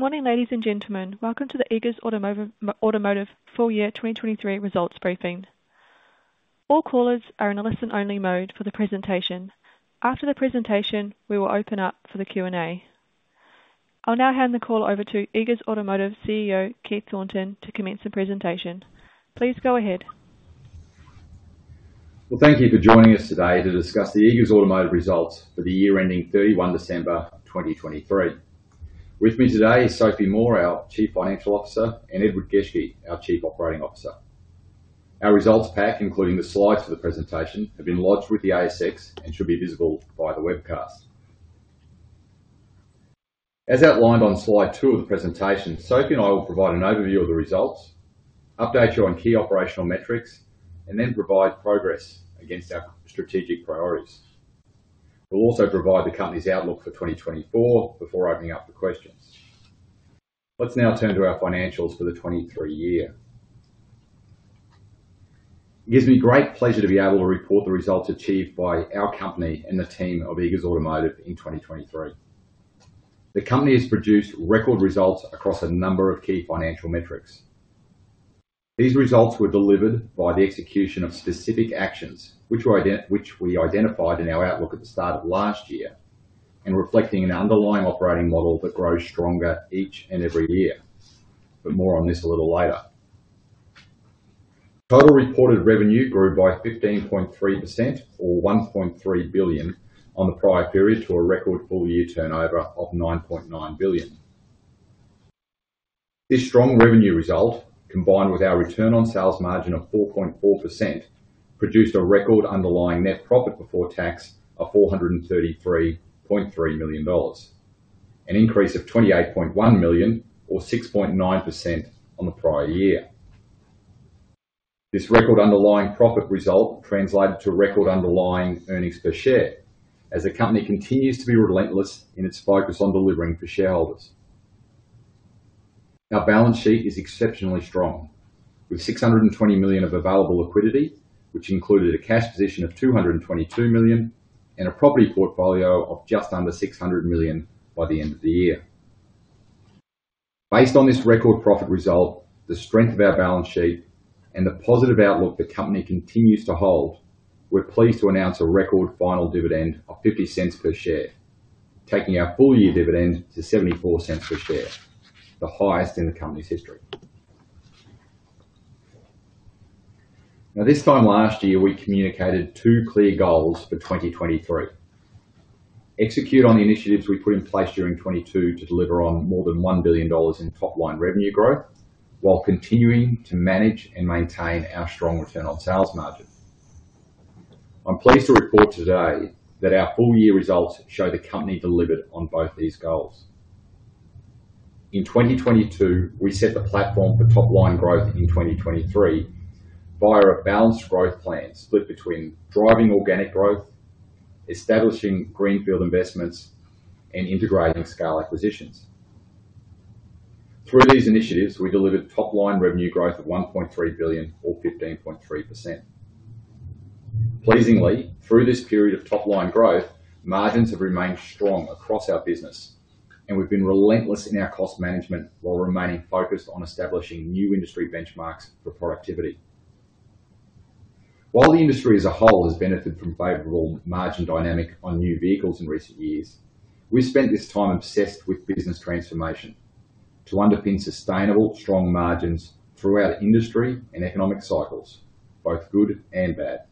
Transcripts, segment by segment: Good morning, ladies and gentlemen. Welcome to the Eagers Automotive full-year 2023 results briefing. All callers are in a listen-only mode for the presentation. After the presentation, we will open up for the Q&A. I'll now hand the call over to Eagers Automotive CEO, Keith Thornton, to commence the presentation. Please go ahead. Well, thank you for joining us today to discuss the Eagers Automotive results for the year ending 31 December 2023. With me today is Sophie Moore, our Chief Financial Officer, and Edward Geschke, our Chief Operating Officer. Our results pack, including the slides for the presentation, have been lodged with the ASX and should be visible via the webcast. As outlined on slide 2 of the presentation, Sophie and I will provide an overview of the results, update you on key operational metrics, and then provide progress against our strategic priorities. We'll also provide the company's outlook for 2024 before opening up for questions. Let's now turn to our financials for the 2023 year. It gives me great pleasure to be able to report the results achieved by our company and the team of Eagers Automotive in 2023. The company has produced record results across a number of key financial metrics. These results were delivered by the execution of specific actions which we identified in our outlook at the start of last year and reflecting an underlying operating model that grows stronger each and every year. But more on this a little later. Total reported revenue grew by 15.3% or 1.3 billion on the prior period to a record full-year turnover of 9.9 billion. This strong revenue result, combined with our return on sales margin of 4.4%, produced a record underlying net profit before tax of 433.3 million dollars, an increase of 28.1 million or 6.9% on the prior year. This record underlying profit result translated to record underlying earnings per share as the company continues to be relentless in its focus on delivering for shareholders. Our balance sheet is exceptionally strong with 620 million of available liquidity, which included a cash position of 222 million and a property portfolio of just under 600 million by the end of the year. Based on this record profit result, the strength of our balance sheet, and the positive outlook the company continues to hold, we're pleased to announce a record final dividend of 0.50 per share, taking our full-year dividend to 0.74 per share, the highest in the company's history. Now, this time last year, we communicated two clear goals for 2023: execute on the initiatives we put in place during 2022 to deliver on more than 1 billion dollars in top-line revenue growth while continuing to manage and maintain our strong return on sales margin. I'm pleased to report today that our full-year results show the company delivered on both these goals. In 2022, we set the platform for top-line growth in 2023 via a balanced growth plan split between driving organic growth, establishing greenfield investments, and integrating scale acquisitions. Through these initiatives, we delivered top-line revenue growth of 1.3 billion or 15.3%. Pleasingly, through this period of top-line growth, margins have remained strong across our business, and we've been relentless in our cost management while remaining focused on establishing new industry benchmarks for productivity. While the industry as a whole has benefited from favorable margin dynamic on new vehicles in recent years, we spent this time obsessed with business transformation to underpin sustainable, strong margins throughout industry and economic cycles, both good and bad.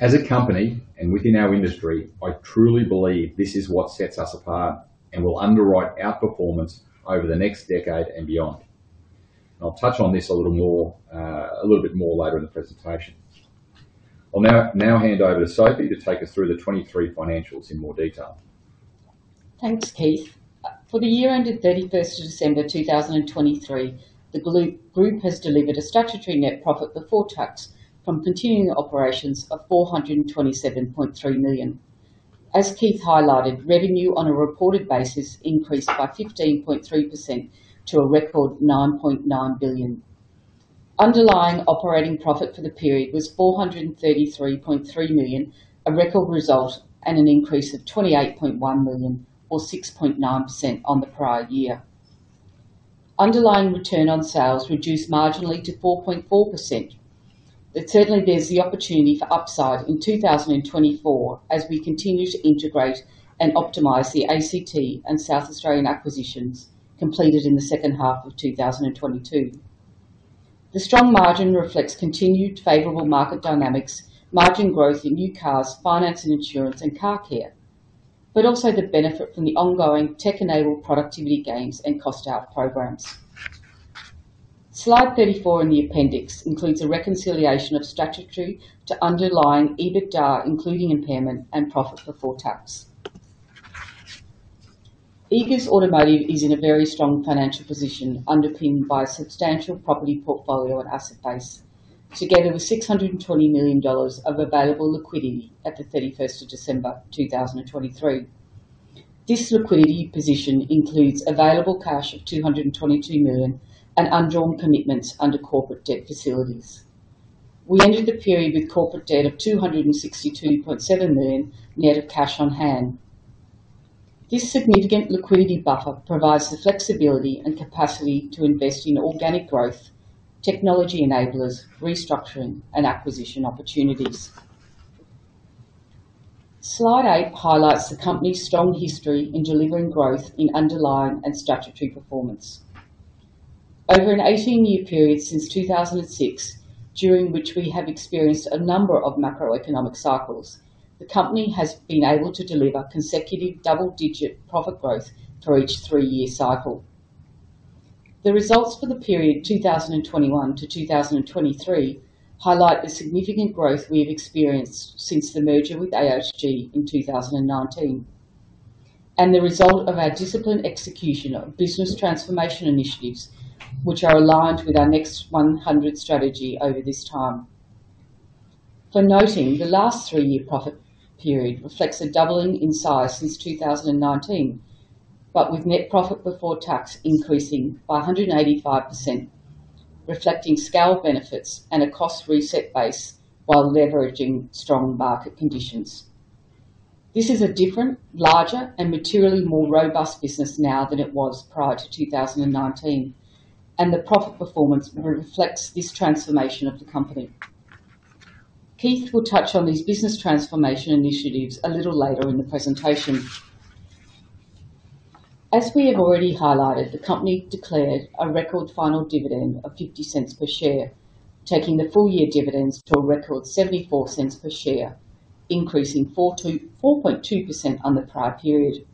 As a company and within our industry, I truly believe this is what sets us apart and will underwrite outperformance over the next decade and beyond. I'll touch on this a little bit more later in the presentation. I'll now hand over to Sophie to take us through the 2023 financials in more detail. Thanks, Keith. For the year ended 31 December 2023, the group has delivered a statutory net profit before tax from continuing operations of 427.3 million. As Keith highlighted, revenue on a reported basis increased by 15.3% to a record 9.9 billion. Underlying operating profit for the period was 433.3 million, a record result, and an increase of 28.1 million or 6.9% on the prior year. Underlying return on sales reduced marginally to 4.4%. But certainly, there's the opportunity for upside in 2024 as we continue to integrate and optimize the ACT and South Australian acquisitions completed in the second half of 2022. The strong margin reflects continued favorable market dynamics, margin growth in new cars, finance and insurance, and car care, but also the benefit from the ongoing tech-enabled productivity gains and cost-out programs. Slide 34 in the appendix includes a reconciliation of statutory to underlying EBITDA, including impairment and profit before tax. Eagers Automotive is in a very strong financial position underpinned by a substantial property portfolio and asset base together with 620 million dollars of available liquidity at the 31st of December 2023. This liquidity position includes available cash of 222 million and undrawn commitments under corporate debt facilities. We ended the period with corporate debt of 262.7 million net of cash on hand. This significant liquidity buffer provides the flexibility and capacity to invest in organic growth, technology enablers, restructuring, and acquisition opportunities. Slide 8 highlights the company's strong history in delivering growth in underlying and statutory performance. Over an 18-year period since 2006, during which we have experienced a number of macroeconomic cycles, the company has been able to deliver consecutive double-digit profit growth for each three-year cycle. The results for the period 2021 to 2023 highlight the significant growth we have experienced since the merger with AOTG in 2019 and the result of our disciplined execution of business transformation initiatives, which are aligned with our next 100 strategy over this time. For noting, the last three-year profit period reflects a doubling in size since 2019, but with net profit before tax increasing by 185%, reflecting scale benefits and a cost reset base while leveraging strong market conditions. This is a different, larger, and materially more robust business now than it was prior to 2019, and the profit performance reflects this transformation of the company. Keith will touch on these business transformation initiatives a little later in the presentation. As we have already highlighted, the company declared a record final dividend of 0.50 per share, taking the full-year dividends to a record 0.74 per share, increasing 4.2% on the prior period.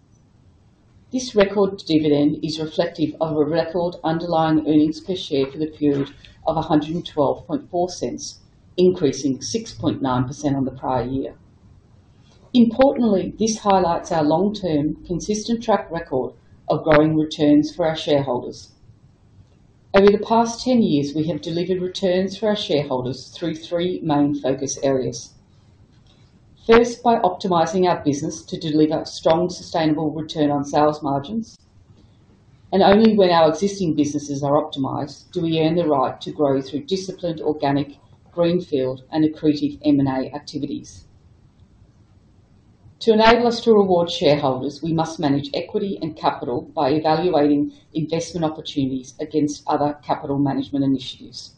This record dividend is reflective of a record underlying earnings per share for the period of 1.124, increasing 6.9% on the prior year. Importantly, this highlights our long-term consistent track record of growing returns for our shareholders. Over the past 10 years, we have delivered returns for our shareholders through three main focus areas. First, by optimizing our business to deliver strong, sustainable return on sales margins. Only when our existing businesses are optimized do we earn the right to grow through disciplined, organic, greenfield, and accretive M&A activities. To enable us to reward shareholders, we must manage equity and capital by evaluating investment opportunities against other capital management initiatives.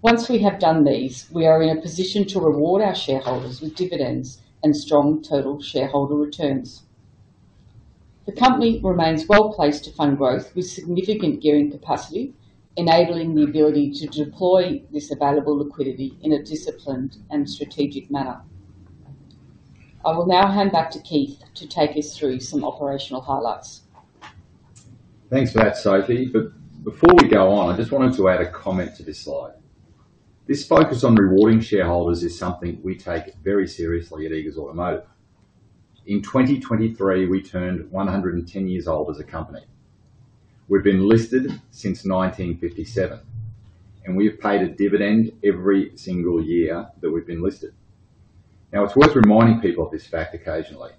Once we have done these, we are in a position to reward our shareholders with dividends and strong total shareholder returns. The company remains well-placed to fund growth with significant gearing capacity, enabling the ability to deploy this available liquidity in a disciplined and strategic manner. I will now hand back to Keith to take us through some operational highlights. Thanks for that, Sophie. But before we go on, I just wanted to add a comment to this slide. This focus on rewarding shareholders is something we take very seriously at Eagers Automotive. In 2023, we turned 110 years old as a company. We've been listed since 1957, and we have paid a dividend every single year that we've been listed. Now, it's worth reminding people of this fact occasionally.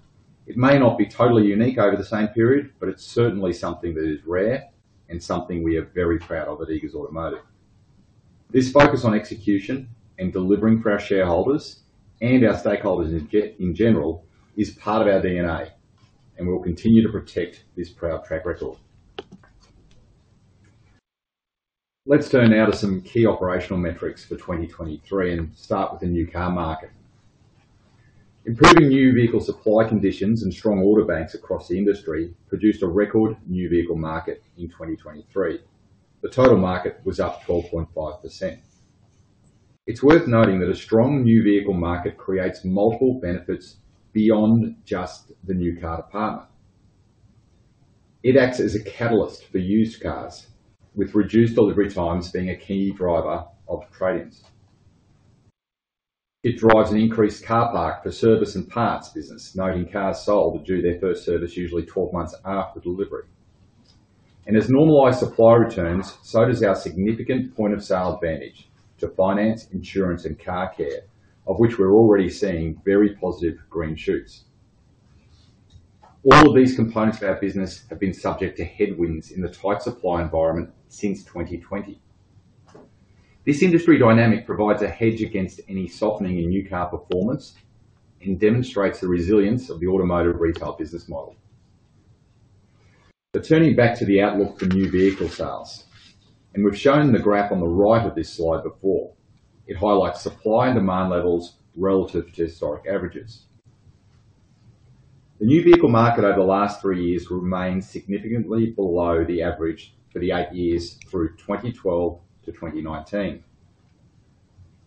It may not be totally unique over the same period, but it's certainly something that is rare and something we are very proud of at Eagers Automotive. This focus on execution and delivering for our shareholders and our stakeholders in general is part of our DNA, and we'll continue to protect this proud track record. Let's turn now to some key operational metrics for 2023 and start with the new car market. Improving new vehicle supply conditions and strong order banks across the industry produced a record new vehicle market in 2023. The total market was up 12.5%. It's worth noting that a strong new vehicle market creates multiple benefits beyond just the new car department. It acts as a catalyst for used cars, with reduced delivery times being a key driver of trade-ins. It drives an increased car park for service and parts business, noting cars sold due to their first service usually 12 months after delivery. And as normalized supply returns, so does our significant point of sale advantage to finance, insurance, and car care, of which we're already seeing very positive green shoots. All of these components of our business have been subject to headwinds in the tight supply environment since 2020. This industry dynamic provides a hedge against any softening in new car performance and demonstrates the resilience of the automotive retail business model. But turning back to the outlook for new vehicle sales, and we've shown the graph on the right of this slide before, it highlights supply and demand levels relative to historic averages. The new vehicle market over the last three years remains significantly below the average for the eight years through 2012 to 2019.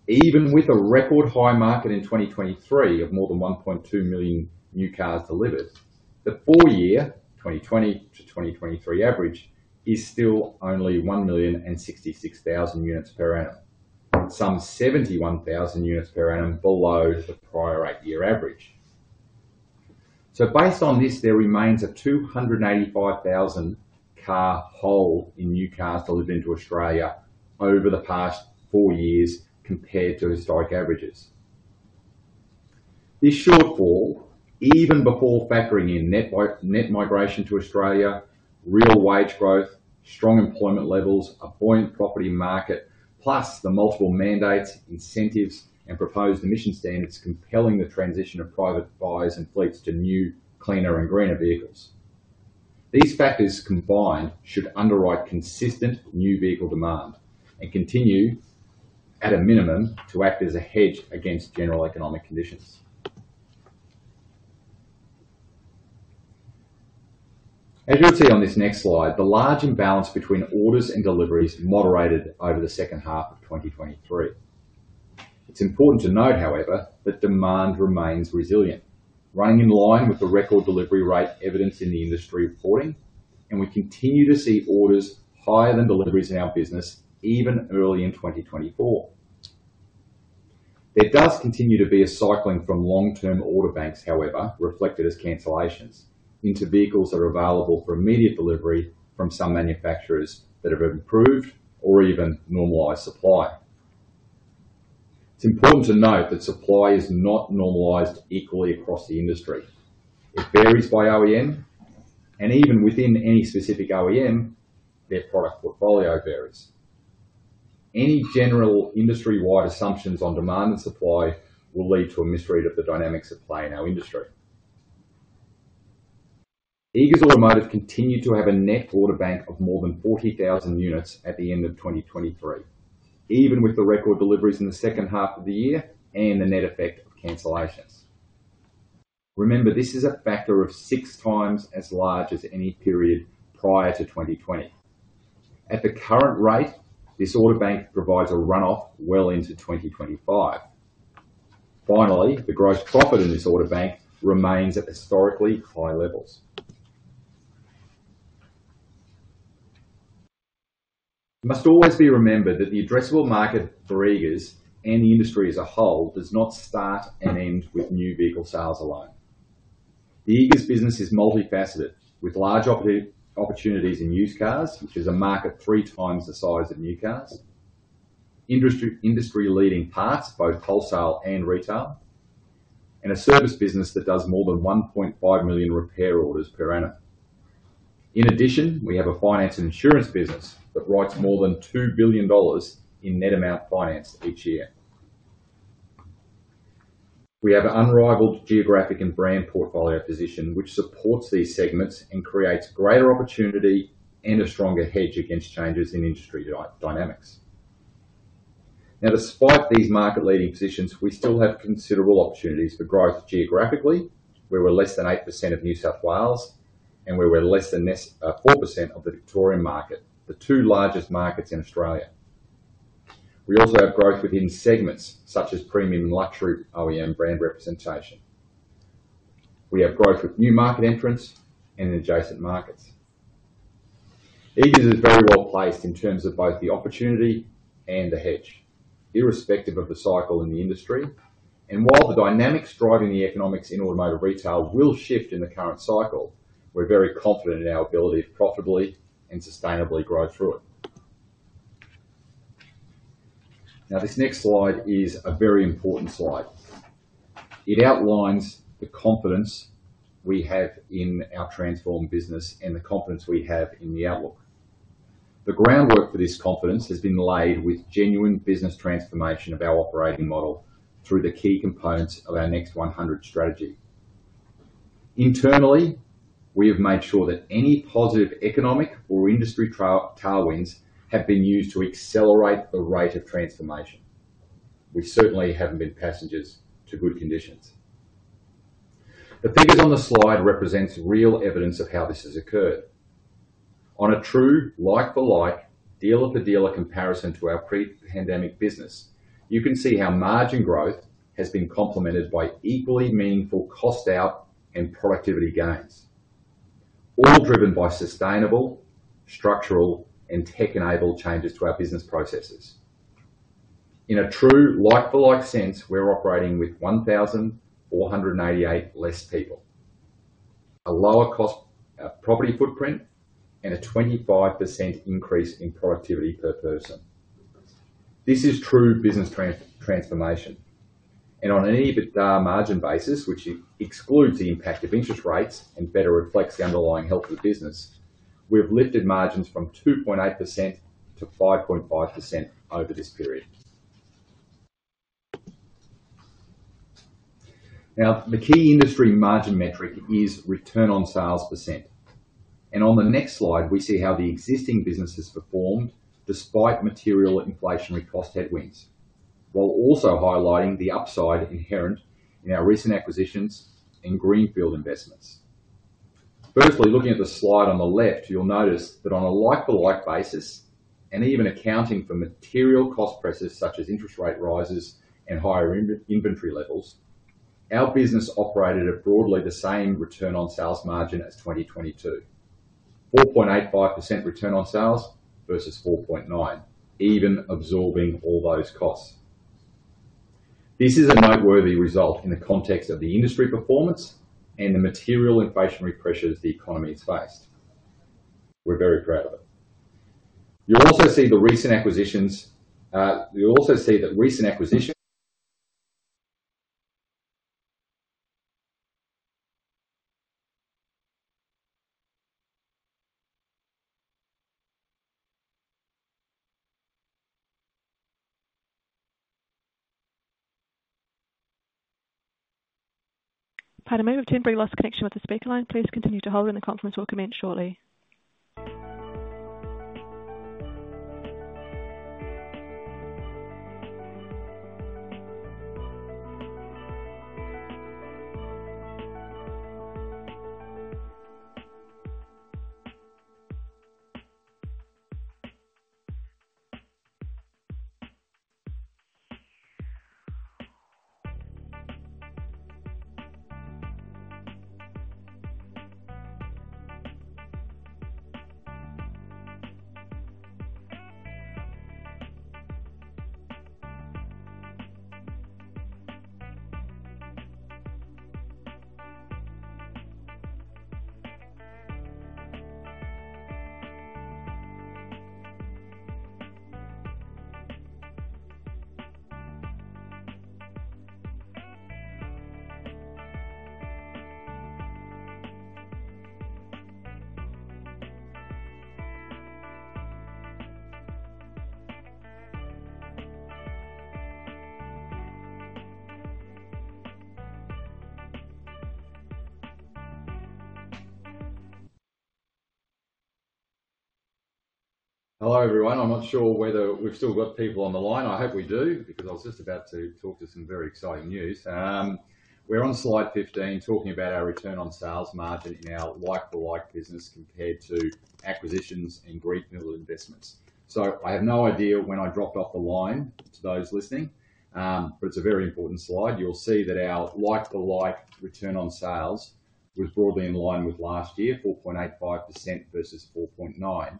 Even with a record high market in 2023 of more than 1.2 million new cars delivered, the four-year 2020 to 2023 average is still only 1,066,000 units per annum, some 71,000 units per annum below the prior eight-year average. So based on this, there remains a 285,000-car hold in new cars delivered into Australia over the past four years compared to historic averages. This shortfall, even before factoring in net migration to Australia, real wage growth, strong employment levels, a buoyant property market, plus the multiple mandates, incentives, and proposed emission standards compelling the transition of private buys and fleets to new, cleaner, and greener vehicles. These factors combined should underwrite consistent new vehicle demand and continue, at a minimum, to act as a hedge against general economic conditions. As you'll see on this next slide, the large imbalance between orders and deliveries moderated over the second half of 2023. It's important to note, however, that demand remains resilient, running in line with the record delivery rate evidenced in the industry reporting. We continue to see orders higher than deliveries in our business even early in 2024. There does continue to be a cycling from long-term order banks, however, reflected as cancellations, into vehicles that are available for immediate delivery from some manufacturers that have improved or even normalized supply. It's important to note that supply is not normalized equally across the industry. It varies by OEM, and even within any specific OEM, their product portfolio varies. Any general industry-wide assumptions on demand and supply will lead to a misread of the dynamics at play in our industry. Eagers Automotive continued to have a net order bank of more than 40,000 units at the end of 2023, even with the record deliveries in the second half of the year and the net effect of cancellations. Remember, this is a factor of six times as large as any period prior to 2020. At the current rate, this order bank provides a run-off well into 2025. Finally, the gross profit in this order bank remains at historically high levels. It must always be remembered that the addressable market for Eagers and the industry as a whole does not start and end with new vehicle sales alone. The Eagers business is multifaceted, with large opportunities in used cars, which is a market three times the size of new cars, industry-leading parts, both wholesale and retail, and a service business that does more than 1.5 million repair orders per annum. In addition, we have a finance and insurance business that writes more than 2 billion dollars in net amount finance each year. We have an unrivaled geographic and brand portfolio position, which supports these segments and creates greater opportunity and a stronger hedge against changes in industry dynamics. Now, despite these market-leading positions, we still have considerable opportunities for growth geographically, where we're less than 8% of New South Wales and where we're less than 4% of the Victorian market, the two largest markets in Australia. We also have growth within segments such as premium and luxury OEM brand representation. We have growth with new market entrants and adjacent markets. Eagers is very well-placed in terms of both the opportunity and the hedge, irrespective of the cycle in the industry. And while the dynamics driving the economics in automotive retail will shift in the current cycle, we're very confident in our ability to profitably and sustainably grow through it. Now, this next slide is a very important slide. It outlines the confidence we have in our transformed business and the confidence we have in the outlook. The groundwork for this confidence has been laid with genuine business transformation of our operating model through the key components of our next 100 strategy. Internally, we have made sure that any positive economic or industry tailwinds have been used to accelerate the rate of transformation. We certainly haven't been passengers to good conditions. The figures on the slide represent real evidence of how this has occurred. On a true like-for-like, dealer-for-dealer comparison to our pre-pandemic business, you can see how margin growth has been complemented by equally meaningful cost-out and productivity gains, all driven by sustainable, structural, and tech-enabled changes to our business processes. In a true like-for-like sense, we're operating with 1,488 less people, a lower property footprint, and a 25% increase in productivity per person. This is true business transformation. On an EBITDAR margin basis, which excludes the impact of interest rates and better reflects the underlying health of the business, we have lifted margins from 2.8% to 5.5% over this period. Now, the key industry margin metric is return on sales %. On the next slide, we see how the existing business has performed despite material inflationary cost headwinds, while also highlighting the upside inherent in our recent acquisitions and greenfield investments. Firstly, looking at the slide on the left, you'll notice that on a like-for-like basis and even accounting for material cost pressures such as interest rate rises and higher inventory levels, our business operated at broadly the same return on sales margin as 2022, 4.85% return on sales versus 4.9%, even absorbing all those costs. This is a noteworthy result in the context of the industry performance and the material inflationary pressures the economy has faced. We're very proud of it. You'll also see the recent acquisitions. You'll also see that recent acquisitions. Pardon me. We've given a brief loss of connection with the speaker line. Please continue to hold, and the conference will commence shortly. Hello, everyone. I'm not sure whether we've still got people on the line. I hope we do because I was just about to talk to some very exciting news. We're on slide 15 talking about our return on sales margin in our like-for-like business compared to acquisitions and greenfield investments. So I have no idea when I dropped off the line to those listening, but it's a very important slide. You'll see that our like-for-like return on sales was broadly in line with last year, 4.85% versus 4.9%.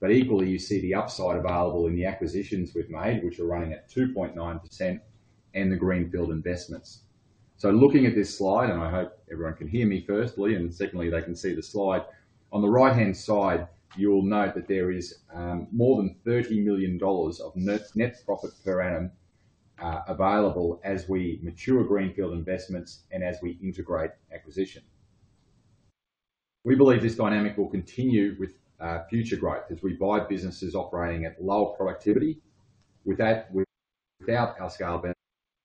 But equally, you see the upside available in the acquisitions we've made, which are running at 2.9%, and the greenfield investments. So looking at this slide, and I hope everyone can hear me firstly, and secondly, they can see the slide, on the right-hand side, you'll note that there is more than 30 million dollars of net profit per annum available as we mature greenfield investments and as we integrate acquisition. We believe this dynamic will continue with future growth as we buy businesses operating at lower productivity without our scale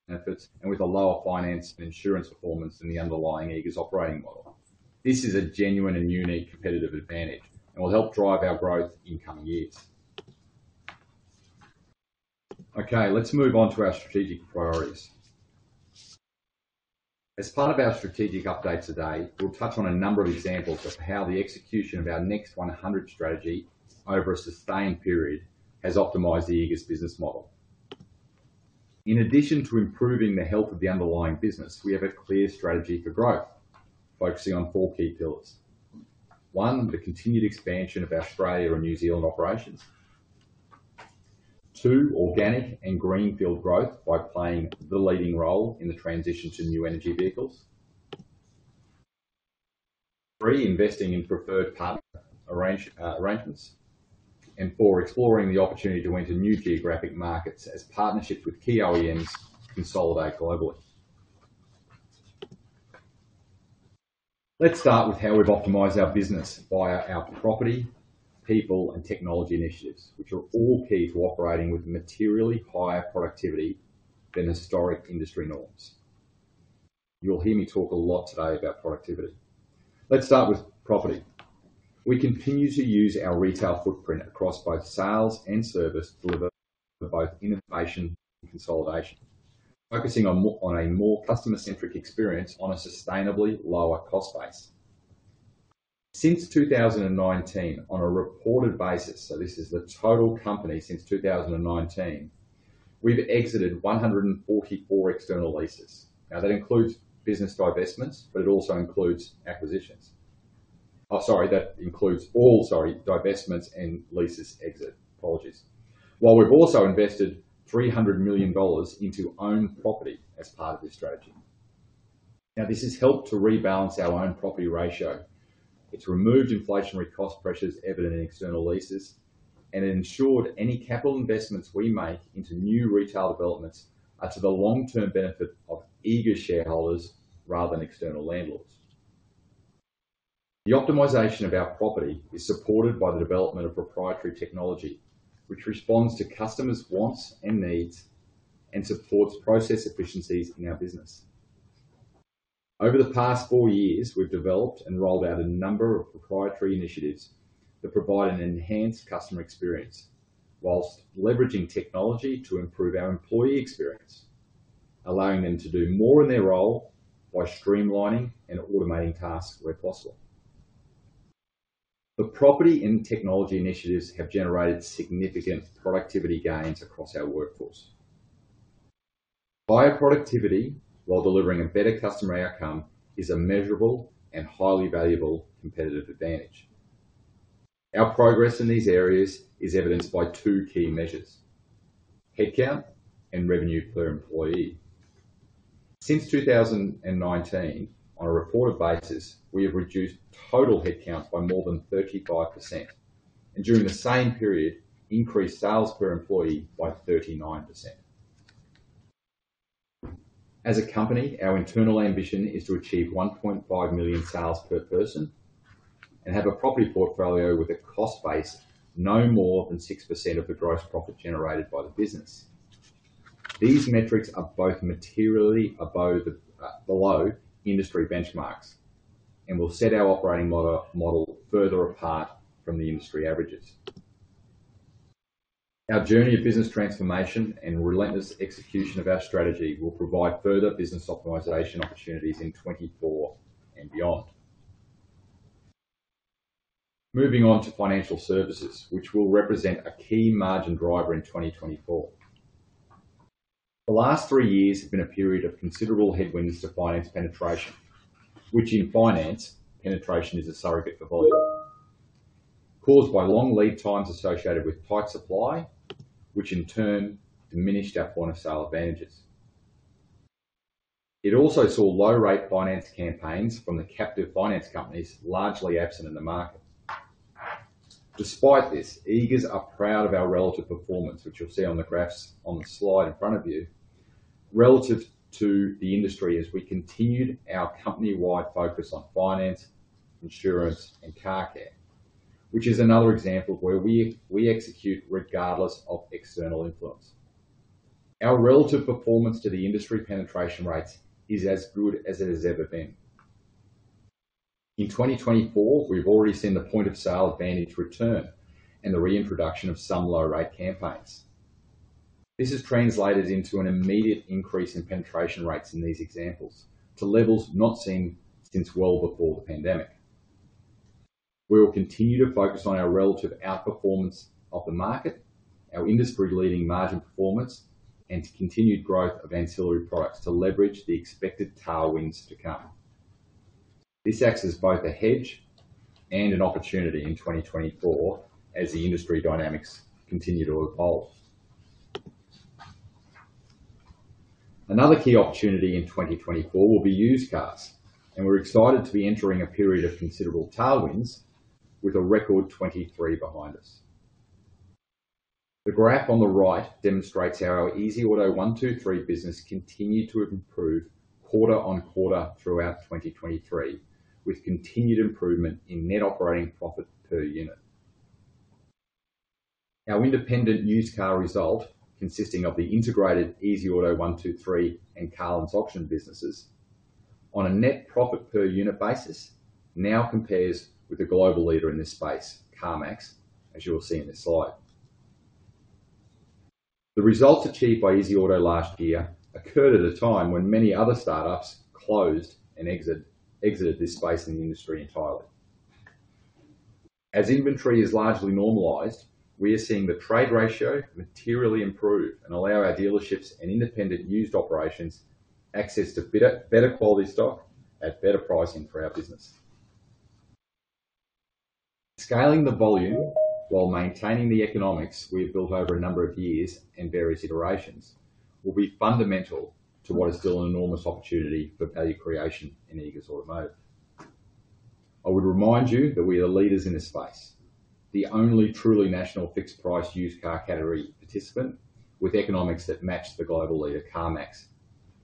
benefits and with a lower finance and insurance performance than the underlying Eagers operating model. This is a genuine and unique competitive advantage and will help drive our growth in coming years. Okay, let's move on to our strategic priorities. As part of our strategic update today, we'll touch on a number of examples of how the execution of our next 100 strategy over a sustained period has optimized the Eagers business model. In addition to improving the health of the underlying business, we have a clear strategy for growth focusing on four key pillars. One, the continued expansion of Australia and New Zealand operations. Two, organic and greenfield growth by playing the leading role in the transition to new energy vehicles. Three, investing in preferred partner arrangements. And four, exploring the opportunity to enter new geographic markets as partnerships with key OEMs consolidate globally. Let's start with how we've optimized our business via our property, people, and technology initiatives, which are all key to operating with materially higher productivity than historic industry norms. You'll hear me talk a lot today about productivity. Let's start with property. We continue to use our retail footprint across both sales and service delivered for both innovation and consolidation, focusing on a more customer-centric experience on a sustainably lower cost base. Since 2019, on a reported basis, so this is the total company since 2019, we've exited 144 external leases. Now, that includes business divestments, but it also includes acquisitions. Oh, sorry. That includes all, sorry, divestments and leases exit. Apologies. While we've also invested 300 million dollars into owned property as part of this strategy. Now, this has helped to rebalance our owned property ratio. It's removed inflationary cost pressures evident in external leases and ensured any capital investments we make into new retail developments are to the long-term benefit of Eagers shareholders rather than external landlords. The optimization of our property is supported by the development of proprietary technology, which responds to customers' wants and needs and supports process efficiencies in our business. Over the past four years, we've developed and rolled out a number of proprietary initiatives that provide an enhanced customer experience while leveraging technology to improve our employee experience, allowing them to do more in their role by streamlining and automating tasks where possible. The property and technology initiatives have generated significant productivity gains across our workforce. Higher productivity, while delivering a better customer outcome, is a measurable and highly valuable competitive advantage. Our progress in these areas is evidenced by two key measures: headcount and revenue per employee. Since 2019, on a reported basis, we have reduced total headcount by more than 35% and, during the same period, increased sales per employee by 39%. As a company, our internal ambition is to achieve 1.5 million sales per person and have a property portfolio with a cost base no more than 6% of the gross profit generated by the business. These metrics are both materially below industry benchmarks and will set our operating model further apart from the industry averages. Our journey of business transformation and relentless execution of our strategy will provide further business optimization opportunities in 2024 and beyond. Moving on to financial services, which will represent a key margin driver in 2024. The last three years have been a period of considerable headwinds to finance penetration, which in finance, penetration is a surrogate for volume, caused by long lead times associated with tight supply, which in turn diminished our point of sale advantages. It also saw low-rate finance campaigns from the captive finance companies, largely absent in the market. Despite this, Eagers are proud of our relative performance, which you'll see on the graphs on the slide in front of you, relative to the industry as we continued our company-wide focus on finance, insurance, and car care, which is another example of where we execute regardless of external influence. Our relative performance to the industry penetration rates is as good as it has ever been. In 2024, we've already seen the point-of-sale advantage return and the reintroduction of some low-rate campaigns. This has translated into an immediate increase in penetration rates in these examples to levels not seen since well before the pandemic. We will continue to focus on our relative outperformance of the market, our industry-leading margin performance, and continued growth of ancillary products to leverage the expected tailwinds to come. This acts as both a hedge and an opportunity in 2024 as the industry dynamics continue to evolve. Another key opportunity in 2024 will be used cars, and we're excited to be entering a period of considerable tailwinds with a record 23 behind us. The graph on the right demonstrates how our Easy Auto 123 business continued to improve quarter-on-quarter throughout 2023, with continued improvement in net operating profit per unit. Our independent used car result, consisting of the integrated Easy Auto 123 and Carlins auction businesses, on a net profit per unit basis, now compares with the global leader in this space, CarMax, as you'll see in this slide. The results achieved by Easy Auto last year occurred at a time when many other startups closed and exited this space in the industry entirely. As inventory is largely normalized, we are seeing the trade ratio materially improve and allow our dealerships and independent used operations access to better quality stock at better pricing for our business. Scaling the volume while maintaining the economics we have built over a number of years and various iterations will be fundamental to what is still an enormous opportunity for value creation in Eagers Automotive. I would remind you that we are the leaders in this space, the only truly national fixed-price used car category participant with economics that match the global leader CarMax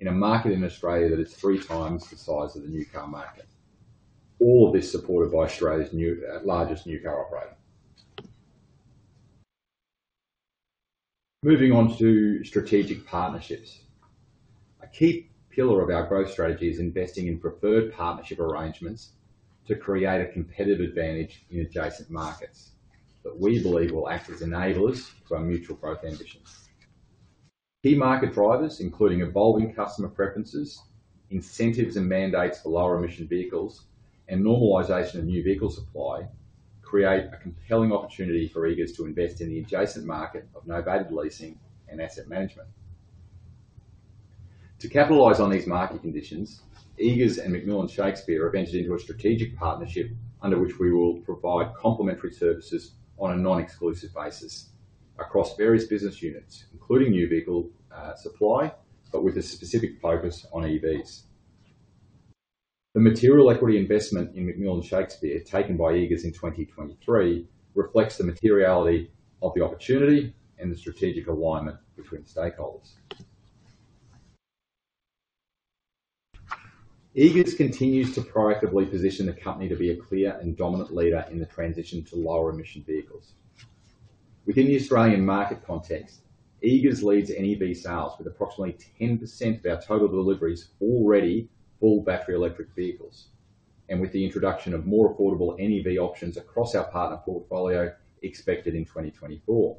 in a market in Australia that is three times the size of the new car market, all of this supported by Australia's largest new car operator. Moving on to strategic partnerships. A key pillar of our growth strategy is investing in preferred partnership arrangements to create a competitive advantage in adjacent markets that we believe will act as enablers to our mutual growth ambitions. Key market drivers, including evolving customer preferences, incentives and mandates for lower-emission vehicles, and normalization of new vehicle supply, create a compelling opportunity for Eagers to invest in the adjacent market of novated leasing and asset management. To capitalize on these market conditions, Eagers and McMillan Shakespeare have entered into a strategic partnership under which we will provide complementary services on a non-exclusive basis across various business units, including new vehicle supply, but with a specific focus on EVs. The material equity investment in McMillan Shakespeare taken by Eagers in 2023 reflects the materiality of the opportunity and the strategic alignment between stakeholders. Eagers continues to proactively position the company to be a clear and dominant leader in the transition to lower-emission vehicles. Within the Australian market context, Eagers leads NEV sales with approximately 10% of our total deliveries already full battery electric vehicles, and with the introduction of more affordable NEV options across our partner portfolio expected in 2024.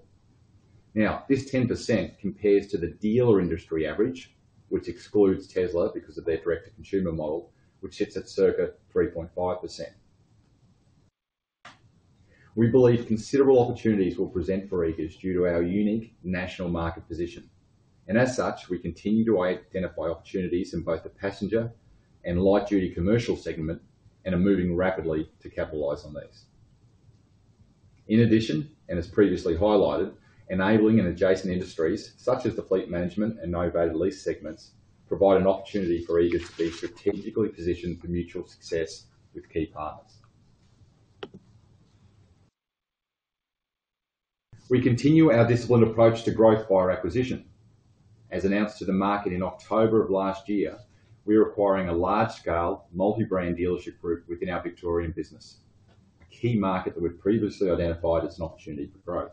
Now, this 10% compares to the dealer industry average, which excludes Tesla because of their direct-to-consumer model, which sits at circa 3.5%. We believe considerable opportunities will present for Eagers due to our unique national market position. And as such, we continue to identify opportunities in both the passenger and light-duty commercial segment and are moving rapidly to capitalize on these. In addition, and as previously highlighted, enabling adjacent industries such as the fleet management and novated lease segments provide an opportunity for Eagers to be strategically positioned for mutual success with key partners. We continue our disciplined approach to growth via acquisition. As announced to the market in October of last year, we are acquiring a large-scale multi-brand dealership group within our Victorian business, a key market that we've previously identified as an opportunity for growth.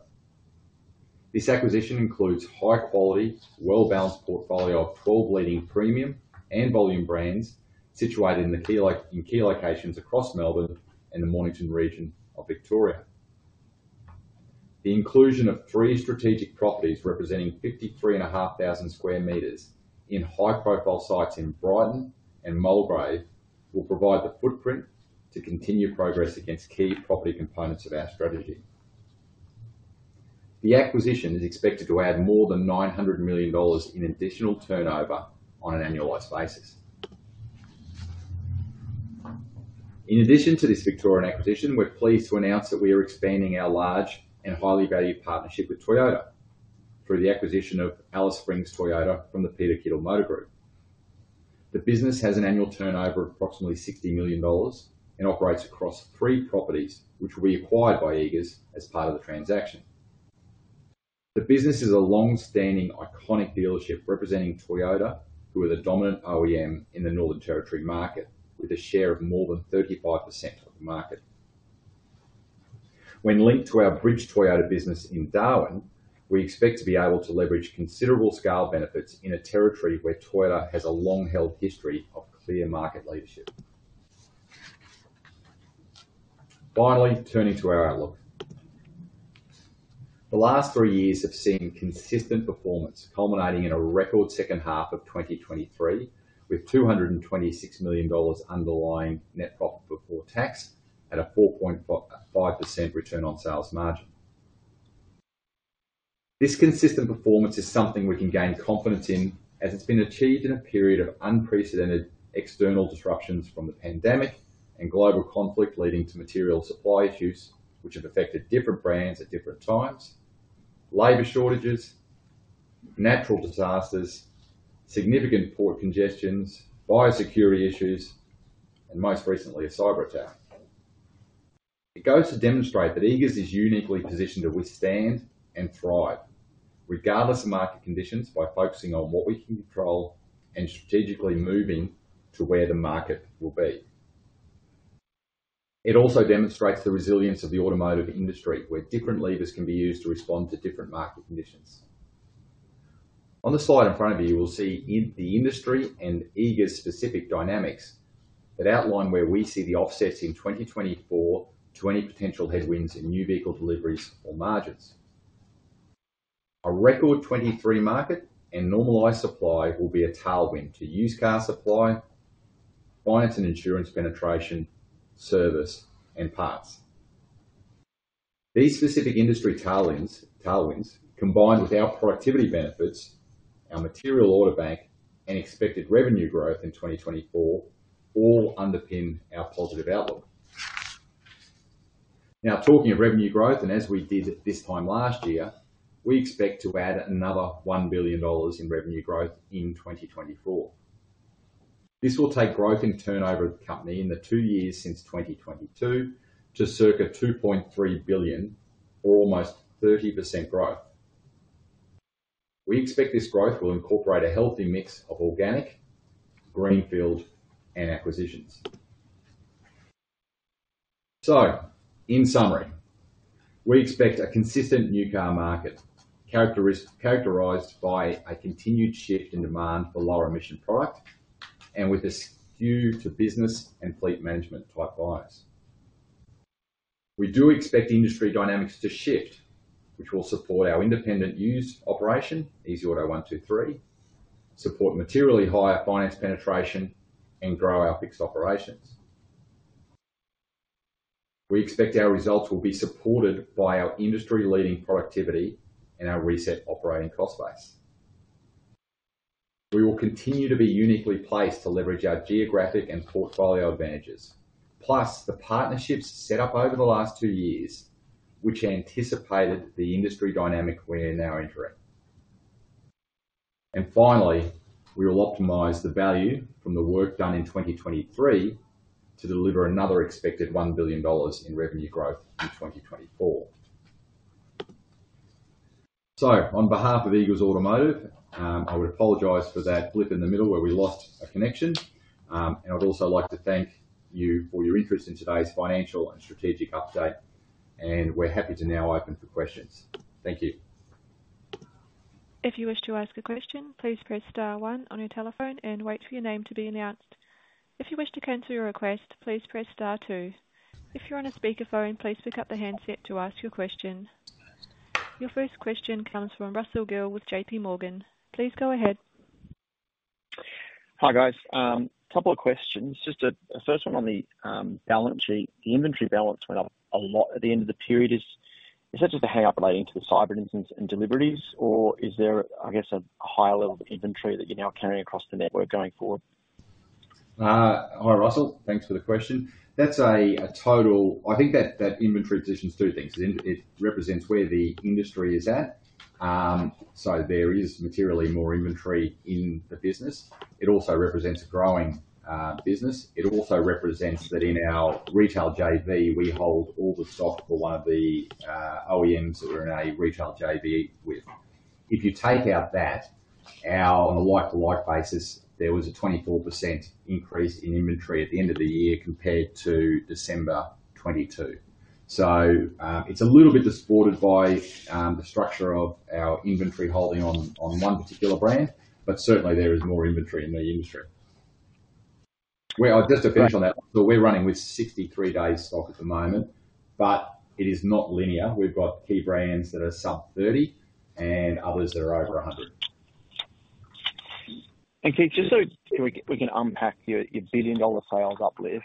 This acquisition includes a high-quality, well-balanced portfolio of 12 leading premium and volume brands situated in key locations across Melbourne and the Mornington region of Victoria. The inclusion of three strategic properties representing 53,500 square meters in high-profile sites in Brighton and Mulgrave will provide the footprint to continue progress against key property components of our strategy. The acquisition is expected to add more than 900 million dollars in additional turnover on an annualized basis. In addition to this Victorian acquisition, we're pleased to announce that we are expanding our large and highly valued partnership with Toyota through the acquisition of Alice Springs Toyota from the Peter Kittle Motor Group. The business has an annual turnover of approximately 60 million dollars and operates across three properties, which will be acquired by Eagers as part of the transaction. The business is a longstanding iconic dealership representing Toyota, who are the dominant OEM in the Northern Territory market with a share of more than 35% of the market. When linked to our Bridge Toyota business in Darwin, we expect to be able to leverage considerable scale benefits in a territory where Toyota has a long-held history of clear market leadership. Finally, turning to our outlook. The last three years have seen consistent performance culminating in a record second half of 2023 with 226 million dollars underlying net profit before tax at a 4.5% return on sales margin. This consistent performance is something we can gain confidence in as it's been achieved in a period of unprecedented external disruptions from the pandemic and global conflict leading to material supply issues, which have affected different brands at different times, labor shortages, natural disasters, significant port congestions, biosecurity issues, and most recently, a cyber attack. It goes to demonstrate that Eagers is uniquely positioned to withstand and thrive regardless of market conditions by focusing on what we can control and strategically moving to where the market will be. It also demonstrates the resilience of the automotive industry, where different levers can be used to respond to different market conditions. On the slide in front of you, you will see the industry and Eagers-specific dynamics that outline where we see the offsets in 2024 to any potential headwinds in new vehicle deliveries or margins. A record 23 market and normalized supply will be a tailwind to used car supply, finance and insurance penetration, service, and parts. These specific industry tailwinds, combined with our productivity benefits, our material order bank, and expected revenue growth in 2024, all underpin our positive outlook. Now, talking of revenue growth, and as we did this time last year, we expect to add another 1 billion dollars in revenue growth in 2024. This will take growth in turnover of the company in the two years since 2022 to circa 2.3 billion, or almost 30% growth. We expect this growth will incorporate a healthy mix of organic, greenfield, and acquisitions. So, in summary, we expect a consistent new car market characterized by a continued shift in demand for lower-emission product and with a skew to business and fleet management type buyers. We do expect industry dynamics to shift, which will support our independent used operation, Easy Auto 123, support materially higher finance penetration, and grow our fixed operations. We expect our results will be supported by our industry-leading productivity and our reset operating cost base. We will continue to be uniquely placed to leverage our geographic and portfolio advantages, plus the partnerships set up over the last two years, which anticipated the industry dynamic we are now entering. And finally, we will optimize the value from the work done in 2023 to deliver another expected 1 billion dollars in revenue growth in 2024. So, on behalf of Eagers Automotive, I would apologize for that blip in the middle where we lost a connection. I'd also like to thank you for your interest in today's financial and strategic update, and we're happy to now open for questions. Thank you. If you wish to ask a question, please press star one on your telephone and wait for your name to be announced. If you wish to cancel your request, please press star two. If you're on a speakerphone, please pick up the handset to ask your question. Your first question comes from Russell Gill with JP Morgan. Please go ahead. Hi, guys. Couple of questions. Just the first one on the inventory balance went up a lot at the end of the period. Is that just a hang-up relating to the cyber incidents and deliveries, or is there, I guess, a higher level of inventory that you're now carrying across the network going forward? Hi, Russell. Thanks for the question. I think that inventory positions two things. It represents where the industry is at. So there is materially more inventory in the business. It also represents a growing business. It also represents that in our retail JV, we hold all the stock for one of the OEMs that we're in a retail JV with. If you take out that, on a like-to-like basis, there was a 24% increase in inventory at the end of the year compared to December 2022. So it's a little bit distorted by the structure of our inventory holding on one particular brand, but certainly there is more inventory in the industry. Just to finish on that, we're running with 63 days' stock at the moment, but it is not linear. We've got key brands that are sub 30 and others that are over 100. Keith, just so we can unpack your billion-dollar sales uplift,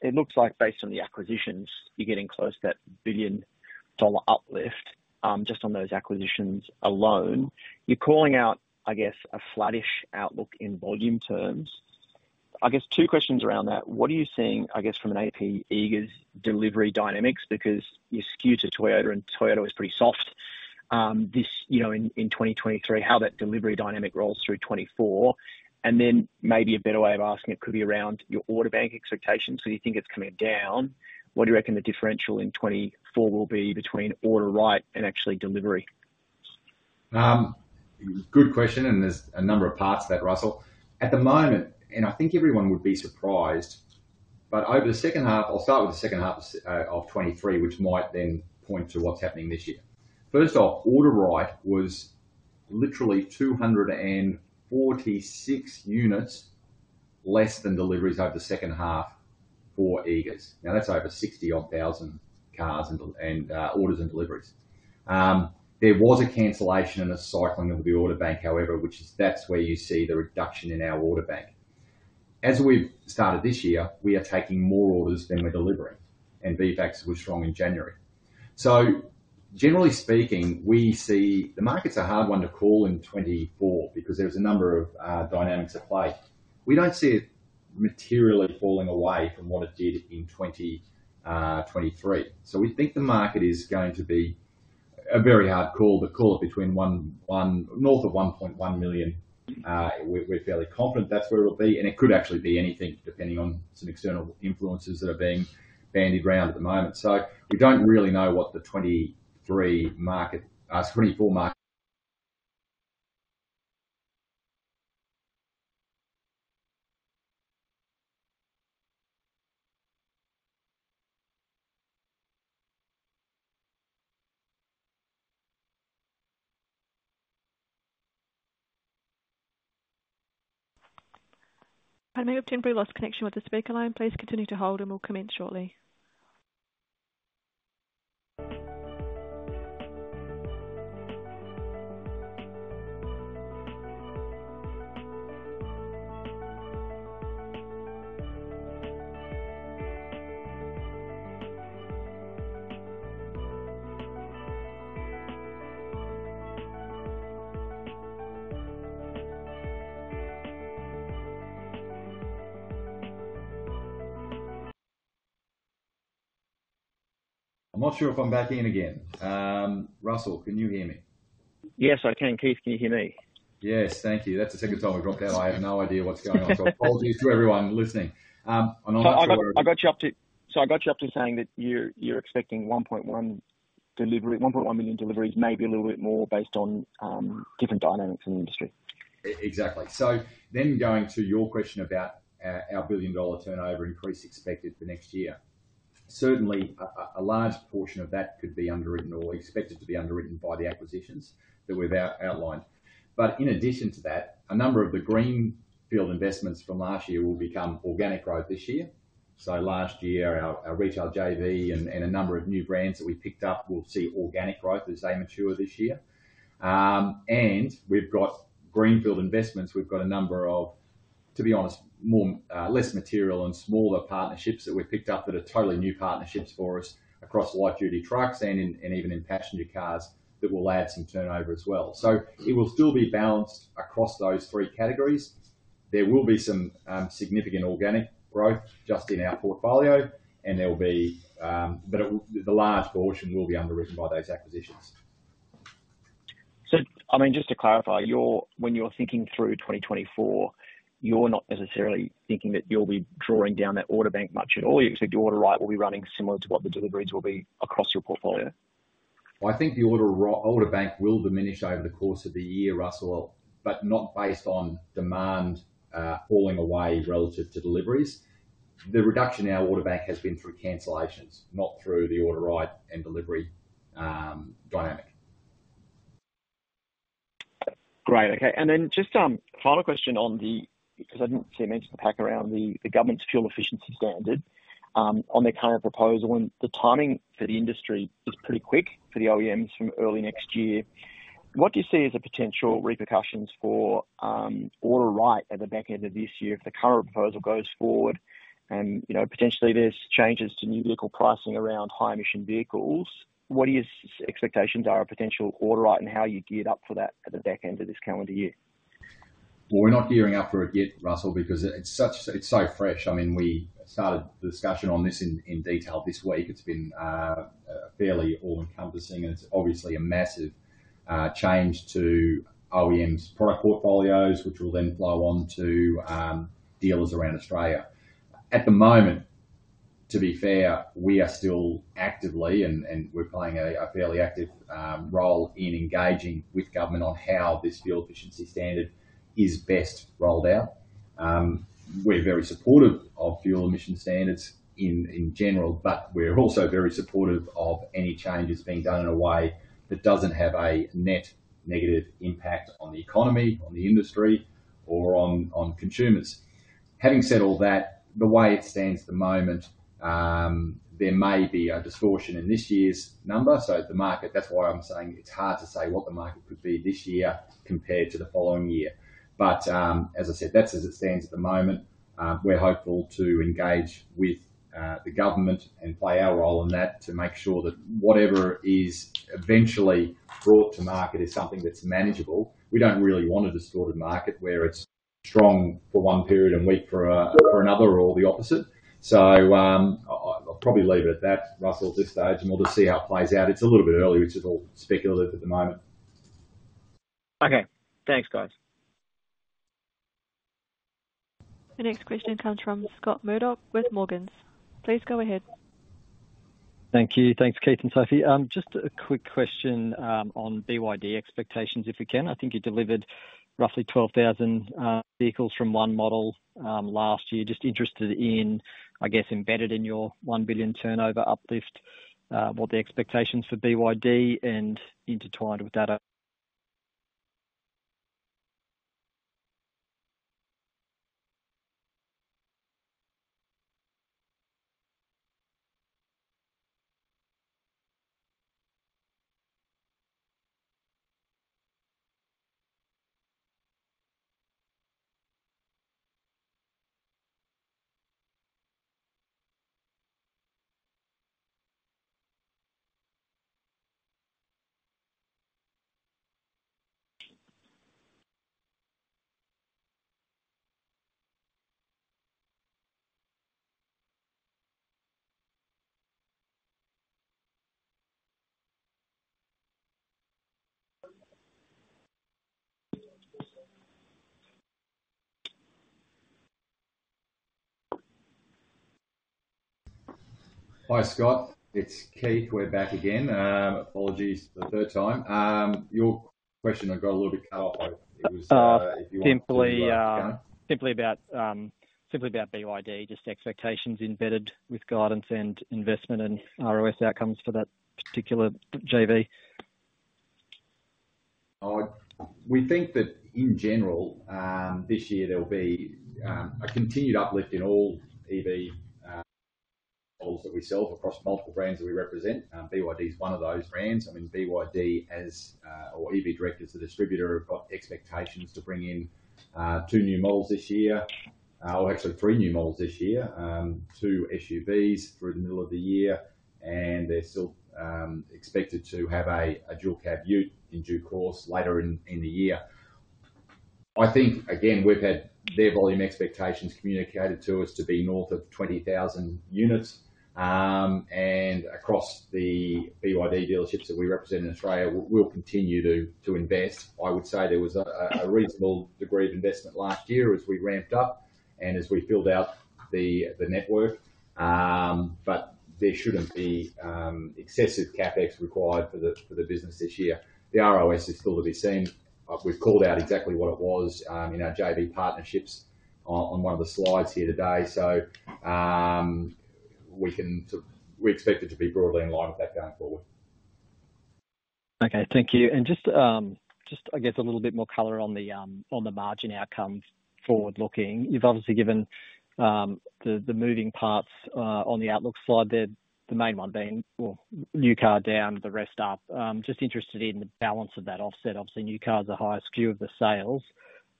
it looks like based on the acquisitions, you're getting close to that billion-dollar uplift just on those acquisitions alone. You're calling out, I guess, a flattish outlook in volume terms. I guess two questions around that. What are you seeing, I guess, from an OEM Eagers delivery dynamics? Because you skew to Toyota, and Toyota was pretty soft in 2023, how that delivery dynamic rolls through 2024. And then maybe a better way of asking it could be around your order bank expectations. So you think it's coming down. What do you reckon the differential in 2024 will be between order rate and actually delivery? Good question, and there's a number of parts to that, Russell. At the moment, and I think everyone would be surprised, but over the second half, I'll start with the second half of 2023, which might then point to what's happening this year. First off, order right was literally 246 units less than deliveries over the second half for Eagers. Now, that's over 60,000-odd orders and deliveries. There was a cancellation and a cycling of the order bank, however, which is, that's where you see the reduction in our order bank. As we've started this year, we are taking more orders than we're delivering, and VFAX was strong in January. So generally speaking, the market's a hard one to call in 2024 because there's a number of dynamics at play. We don't see it materially falling away from what it did in 2023. So we think the market is going to be a very hard call, but call it between north of 1.1 million. We're fairly confident that's where it'll be, and it could actually be anything depending on some external influences that are being bandied round at the moment. So we don't really know what the 2024 market. Pardon me. We've temporarily lost connection with the speaker line. Please continue to hold, and we'll comment shortly. I'm not sure if I'm back in again. Russell, can you hear me? Yes, I can. Keith, can you hear me? Yes, thank you. That's the second time we dropped out. I have no idea what's going on. So apologies to everyone listening. I got you up to saying that you're expecting 1.1 million deliveries, maybe a little bit more based on different dynamics in the industry. Exactly. So then going to your question about our billion-dollar turnover increase expected for next year, certainly a large portion of that could be underwritten or expected to be underwritten by the acquisitions that we've outlined. But in addition to that, a number of the greenfield investments from last year will become organic growth this year. So last year, our retail JV and a number of new brands that we picked up will see organic growth as they mature this year. And we've got greenfield investments. We've got a number of, to be honest, less material and smaller partnerships that we've picked up that are totally new partnerships for us across light-duty trucks and even in passenger cars that will add some turnover as well. So it will still be balanced across those three categories. There will be some significant organic growth just in our portfolio, but the large portion will be underwritten by those acquisitions. I mean, just to clarify, when you're thinking through 2024, you're not necessarily thinking that you'll be drawing down that order bank much at all. You expect the order right will be running similar to what the deliveries will be across your portfolio? I think the order bank will diminish over the course of the year, Russell, but not based on demand falling away relative to deliveries. The reduction in our order bank has been through cancellations, not through the order right and delivery dynamic. Great. Okay. And then just final question on the because I didn't see a mention of impact around the government's fuel efficiency standard on their current proposal, and the timing for the industry is pretty quick for the OEMs from early next year. What do you see as the potential repercussions for order rate at the back end of this year if the current proposal goes forward and potentially there's changes to new vehicle pricing around high-emission vehicles? What do your expectations are of potential order rate and how you geared up for that at the back end of this calendar year? Well, we're not gearing up for it yet, Russell, because it's so fresh. I mean, we started the discussion on this in detail this week. It's been fairly all-encompassing, and it's obviously a massive change to OEMs' product portfolios, which will then flow on to dealers around Australia. At the moment, to be fair, we are still actively, and we're playing a fairly active role in engaging with government on how this fuel efficiency standard is best rolled out. We're very supportive of fuel emission standards in general, but we're also very supportive of any changes being done in a way that doesn't have a net negative impact on the economy, on the industry, or on consumers. Having said all that, the way it stands at the moment, there may be a distortion in this year's number. So the market, that's why I'm saying it's hard to say what the market could be this year compared to the following year. But as I said, that's as it stands at the moment. We're hopeful to engage with the government and play our role in that to make sure that whatever is eventually brought to market is something that's manageable. We don't really want a distorted market where it's strong for one period and weak for another or the opposite. So I'll probably leave it at that, Russell, at this stage, and we'll just see how it plays out. It's a little bit early, which is all speculative at the moment. Okay. Thanks, guys. The next question comes from Scott Murdoch with Morgans. Please go ahead. Thank you. Thanks, Keith and Sophie. Just a quick question on BYD expectations, if we can. I think you delivered roughly 12,000 vehicles from one model last year, just interested in, I guess, embedded in your 1 billion turnover uplift, what the expectations for BYD and intertwined with that are. Hi, Scott. It's Keith. We're back again. Apologies for the third time. Your question, I got a little bit cut off over. It was if you want to go back. Simply about BYD, just expectations embedded with guidance and investment and ROS outcomes for that particular JV. We think that in general, this year, there'll be a continued uplift in all EV models that we sell across multiple brands that we represent. BYD's one of those brands. I mean, BYD, or EV Directors, the distributor, have got expectations to bring in 2 new models this year, or actually 3 new models this year, 2 SUVs through the middle of the year, and they're still expected to have a dual-cab ute in due course later in the year. I think, again, we've had their volume expectations communicated to us to be north of 20,000 units. And across the BYD dealerships that we represent in Australia, we'll continue to invest. I would say there was a reasonable degree of investment last year as we ramped up and as we filled out the network. But there shouldn't be excessive CapEx required for the business this year. The ROS is still to be seen. We've called out exactly what it was in our JV partnerships on one of the slides here today. So we expect it to be broadly in line with that going forward. Okay. Thank you. Just, I guess, a little bit more color on the margin outcome forward-looking. You've obviously given the moving parts on the outlook slide there, the main one being, well, new car down, the rest up. Just interested in the balance of that offset. Obviously, new cars are higher skew of the sales.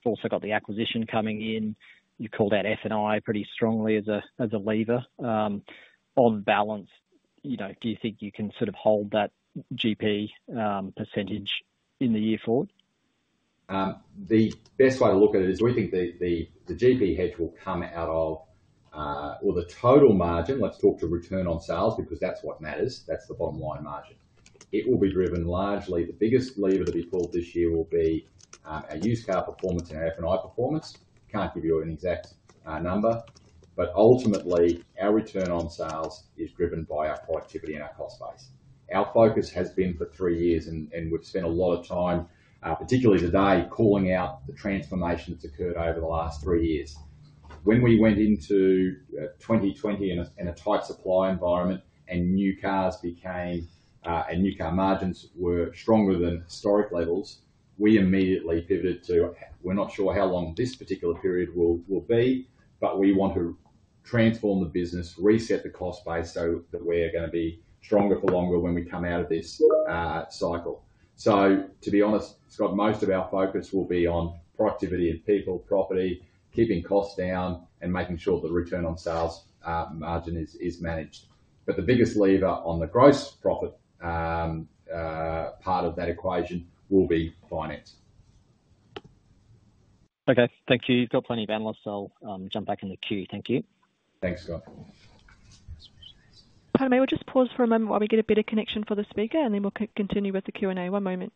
We've also got the acquisition coming in. You called out F&I pretty strongly as a lever. On balance, do you think you can sort of hold that GP percentage in the year forward? The best way to look at it is we think the GP hedge will come out of, or the total margin. Let's talk to return on sales because that's what matters. That's the bottom-line margin. It will be driven largely, the biggest lever to be pulled this year will be our used car performance and our F&I performance. Can't give you an exact number, but ultimately, our return on sales is driven by our productivity and our cost base. Our focus has been for three years, and we've spent a lot of time, particularly today, calling out the transformation that's occurred over the last three years. When we went into 2020 in a tight supply environment and new cars became and new car margins were stronger than historic levels, we immediately pivoted to, "We're not sure how long this particular period will be, but we want to transform the business, reset the cost base so that we're going to be stronger for longer when we come out of this cycle." So to be honest, Scott, most of our focus will be on productivity and people, property, keeping costs down, and making sure the return on sales margin is managed. But the biggest lever on the gross profit part of that equation will be finance. Okay. Thank you. You've got plenty of analysts. I'll jump back in the queue. Thank you. Thanks, Scott. Pardon me. We'll just pause for a moment while we get a better connection for the speaker, and then we'll continue with the Q&A. One moment.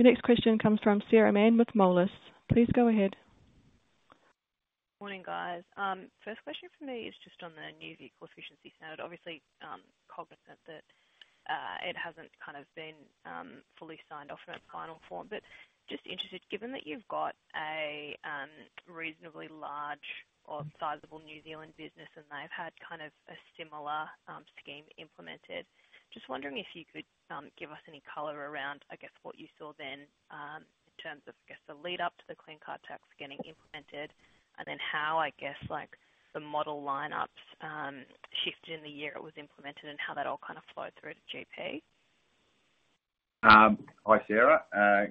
The next question comes from Sarah Mann with Molas. Please go ahead. Morning, guys. First question for me is just on the new vehicle efficiency standard, obviously cognizant that it hasn't kind of been fully signed off in its final form, but just interested, given that you've got a reasonably large or sizable New Zealand business and they've had kind of a similar scheme implemented, just wondering if you could give us any color around, I guess, what you saw then in terms of, I guess, the lead-up to the clean car tax getting implemented and then how, I guess, the model lineups shifted in the year it was implemented and how that all kind of flowed through to GP. Hi, Sarah.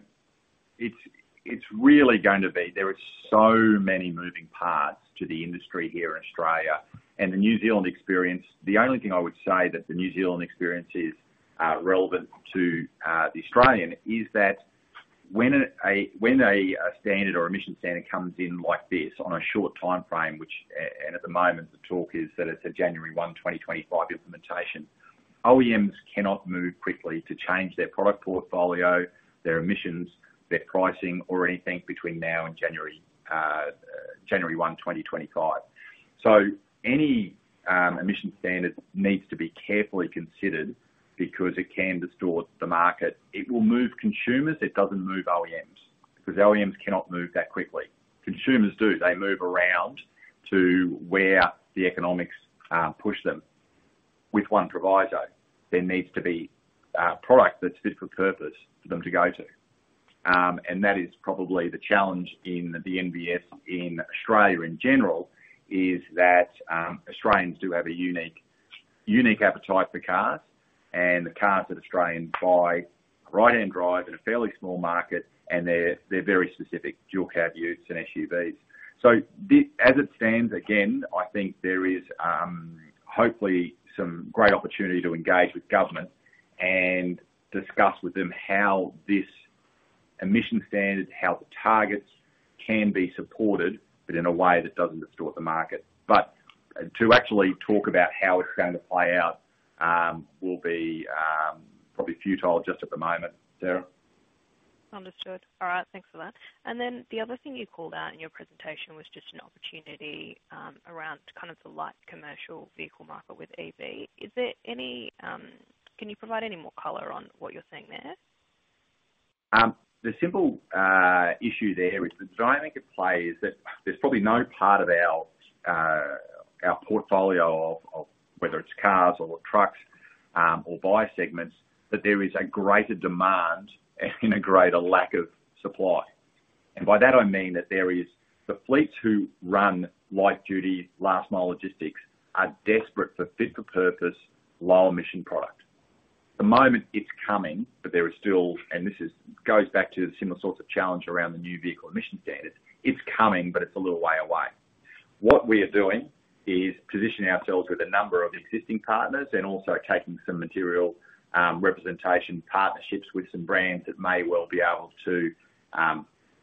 It's really going to be there are so many moving parts to the industry here in Australia. The New Zealand experience, the only thing I would say that the New Zealand experience is relevant to the Australian is that when a standard or emission standard comes in like this on a short timeframe, and at the moment, the talk is that it's a January 1, 2025 implementation, OEMs cannot move quickly to change their product portfolio, their emissions, their pricing, or anything between now and January 1, 2025. So any emission standard needs to be carefully considered because it can distort the market. It will move consumers. It doesn't move OEMs because OEMs cannot move that quickly. Consumers do. They move around to where the economics push them. With one proviso, there needs to be a product that's fit for purpose for them to go to. That is probably the challenge in the NVS in Australia in general is that Australians do have a unique appetite for cars, and the cars that Australians buy are right-hand drive in a fairly small market, and they're very specific dual-cab utes and SUVs. So as it stands, again, I think there is, hopefully, some great opportunity to engage with government and discuss with them how this emission standard, how the targets can be supported, but in a way that doesn't distort the market. But to actually talk about how it's going to play out will be probably futile just at the moment, Sarah. Understood. All right. Thanks for that. And then the other thing you called out in your presentation was just an opportunity around kind of the light commercial vehicle market with EV. Can you provide any more color on what you're saying there? The simple issue there is the dynamic it plays that there's probably no part of our portfolio of whether it's cars or trucks or by segments that there is a greater demand and a greater lack of supply. And by that, I mean that there is the fleets who run light-duty last-mile logistics are desperate for fit-for-purpose, low-emission product. At the moment, it's coming, but there is still, and this goes back to the similar sorts of challenge around the new vehicle emission standards. It's coming, but it's a little way away. What we are doing is positioning ourselves with a number of existing partners and also taking some material representation partnerships with some brands that may well be able to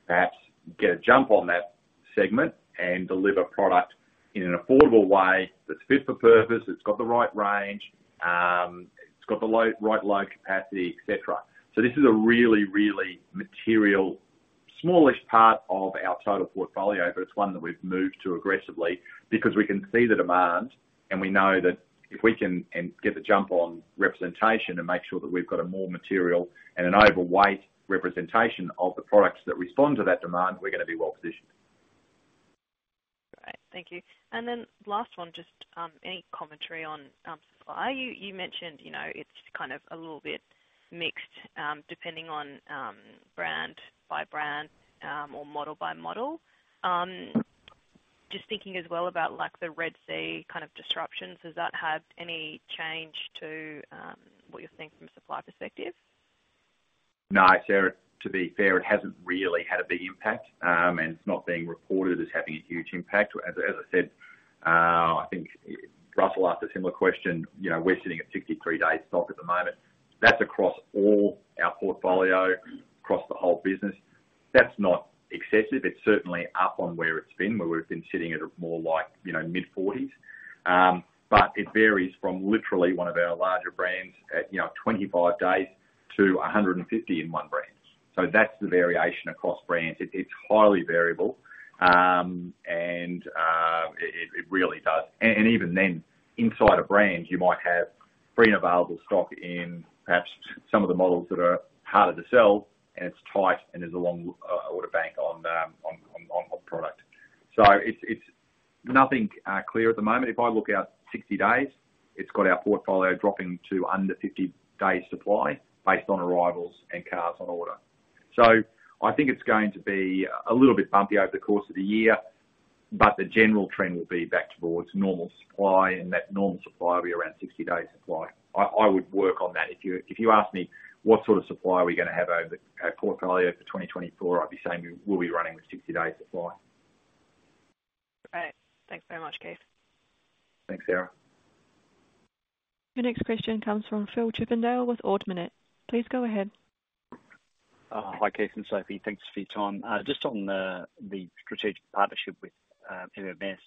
perhaps get a jump on that segment and deliver product in an affordable way that's fit for purpose, that's got the right range, it's got the right low capacity, etc. So this is a really, really material, smallish part of our total portfolio, but it's one that we've moved to aggressively because we can see the demand, and we know that if we can get the jump on representation and make sure that we've got a more material and an overweight representation of the products that respond to that demand, we're going to be well positioned. Right. Thank you. Then last one, just any commentary on supply? You mentioned it's kind of a little bit mixed depending on brand by brand or model by model. Just thinking as well about the Red Sea kind of disruptions, has that had any change to what you're saying from a supply perspective? No, Sarah. To be fair, it hasn't really had a big impact, and it's not being reported as having a huge impact. As I said, I think Russell asked a similar question. We're sitting at 63-day stock at the moment. That's across all our portfolio, across the whole business. That's not excessive. It's certainly up on where it's been, where we've been sitting at more like mid-40s. But it varies from literally one of our larger brands at 25 days to 150 in one brand. So that's the variation across brands. It's highly variable, and it really does. And even then, inside a brand, you might have free and available stock in perhaps some of the models that are harder to sell, and it's tight, and there's a long order bank on product. So it's nothing clear at the moment. If I look out 60 days, it's got our portfolio dropping to under 50-day supply based on arrivals and cars on order. So I think it's going to be a little bit bumpy over the course of the year, but the general trend will be back towards normal supply, and that normal supply will be around 60-day supply. I would work on that. If you ask me what sort of supply we're going to have over our portfolio for 2024, I'd be saying we'll be running with 60-day supply. Great. Thanks very much, Keith. Thanks, Sarah. Your next question comes from Phil Chippendale with Ord Minnett. Please go ahead. Hi, Keith and Sophie. Thanks for your time. Just on the strategic partnership with MMS,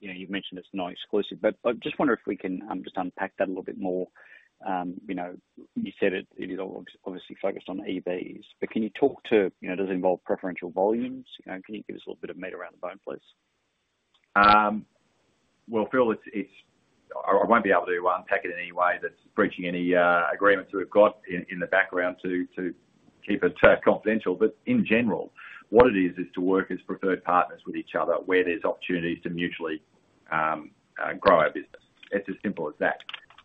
you've mentioned it's not exclusive, but I just wonder if we can just unpack that a little bit more. You said it is all obviously focused on EVs, but can you talk to, does it involve preferential volumes? Can you give us a little bit of meat around the bone, please? Well, Phil, I won't be able to unpack it in any way that's breaching any agreements that we've got in the background to keep it confidential. But in general, what it is, is to work as preferred partners with each other where there's opportunities to mutually grow our business. It's as simple as that.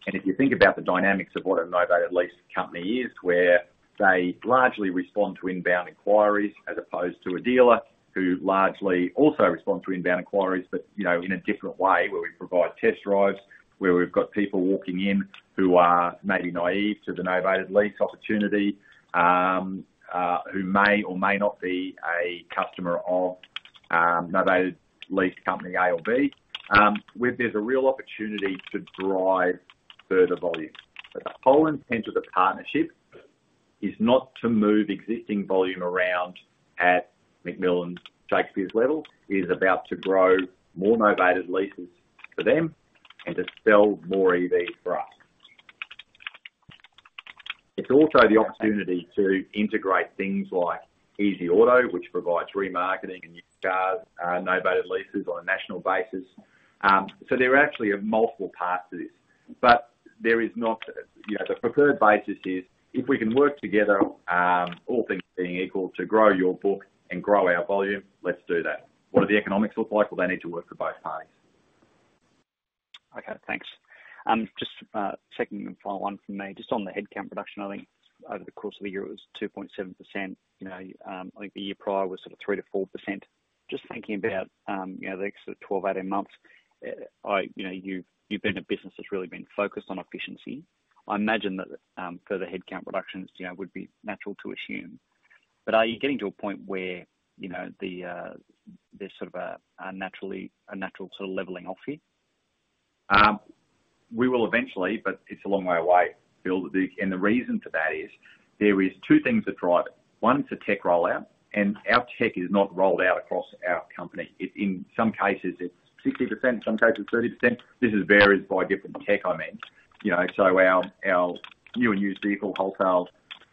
And if you think about the dynamics of what a novated lease company is, where they largely respond to inbound inquiries as opposed to a dealer who largely also responds to inbound inquiries, but in a different way, where we provide test drives, where we've got people walking in who are maybe naive to the novated lease opportunity, who may or may not be a customer of novated lease company A or B, there's a real opportunity to drive further volume. But the whole intent of the partnership is not to move existing volume around at McMillan Shakespeare's level. It is about to grow more novated leases for them and to sell more EVs for us. It's also the opportunity to integrate things like Easy Auto, which provides remarketing and new cars, novated leases on a national basis. So there are actually multiple parts to this. But there is not the preferred basis is, "If we can work together, all things being equal, to grow your book and grow our volume, let's do that." What do the economics look like? Well, they need to work for both parties. Okay. Thanks. Just second and final one from me. Just on the headcount reduction, I think over the course of the year, it was 2.7%. I think the year prior was sort of 3%-4%. Just thinking about the next 12-18 months, you've been a business that's really been focused on efficiency. I imagine that further headcount reductions would be natural to assume. But are you getting to a point where there's sort of a natural sort of leveling off here? We will eventually, but it's a long way away, Phil. And the reason for that is there is two things that drive it. One is the tech rollout, and our tech is not rolled out across our company. In some cases, it's 60%. In some cases, 30%. This varies by different tech, I mean. So our new and used vehicle wholesale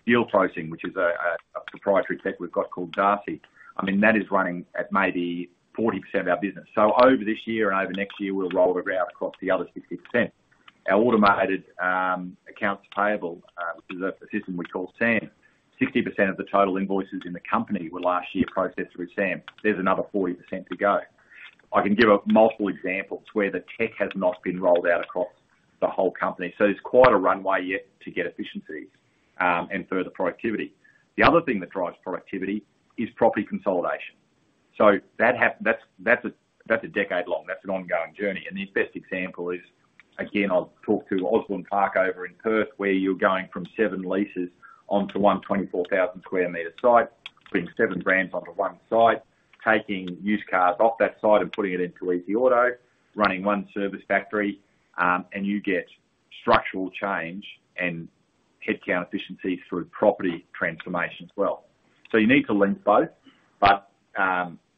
deal processing, which is a proprietary tech we've got called DARTI, I mean, that is running at maybe 40% of our business. So over this year and over next year, we'll roll it around across the other 60%. Our automated accounts payable, which is a system we call SAM, 60% of the total invoices in the company were last year processed through SAM. There's another 40% to go. I can give multiple examples where the tech has not been rolled out across the whole company. So there's quite a runway yet to get efficiencies and further productivity. The other thing that drives productivity is property consolidation. So that's a decade-long. That's an ongoing journey. And the best example is, again, I'll talk to Osborne Park over in Perth, where you're going from 7 leases onto one 24,000-square-meter site, putting 7 brands onto one site, taking used cars off that site and putting it into Easy Auto 123, running one service factory, and you get structural change and headcount efficiencies through property transformation as well. So you need to link both, but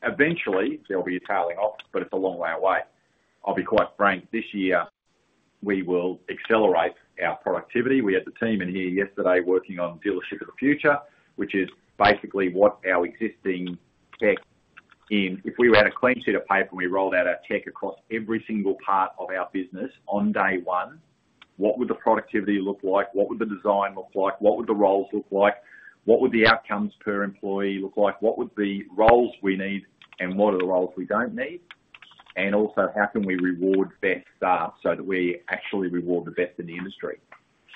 eventually, there'll be a tailing off, but it's a long way away. I'll be quite frank. This year, we will accelerate our productivity. We had the team in here yesterday working on Dealership of the Future, which is basically what our existing tech, if we were at a clean sheet of paper and we rolled out our tech across every single part of our business on day one, what would the productivity look like? What would the design look like? What would the roles look like? What would the outcomes per employee look like? What would the roles we need, and what are the roles we don't need? And also, how can we reward best so that we actually reward the best in the industry?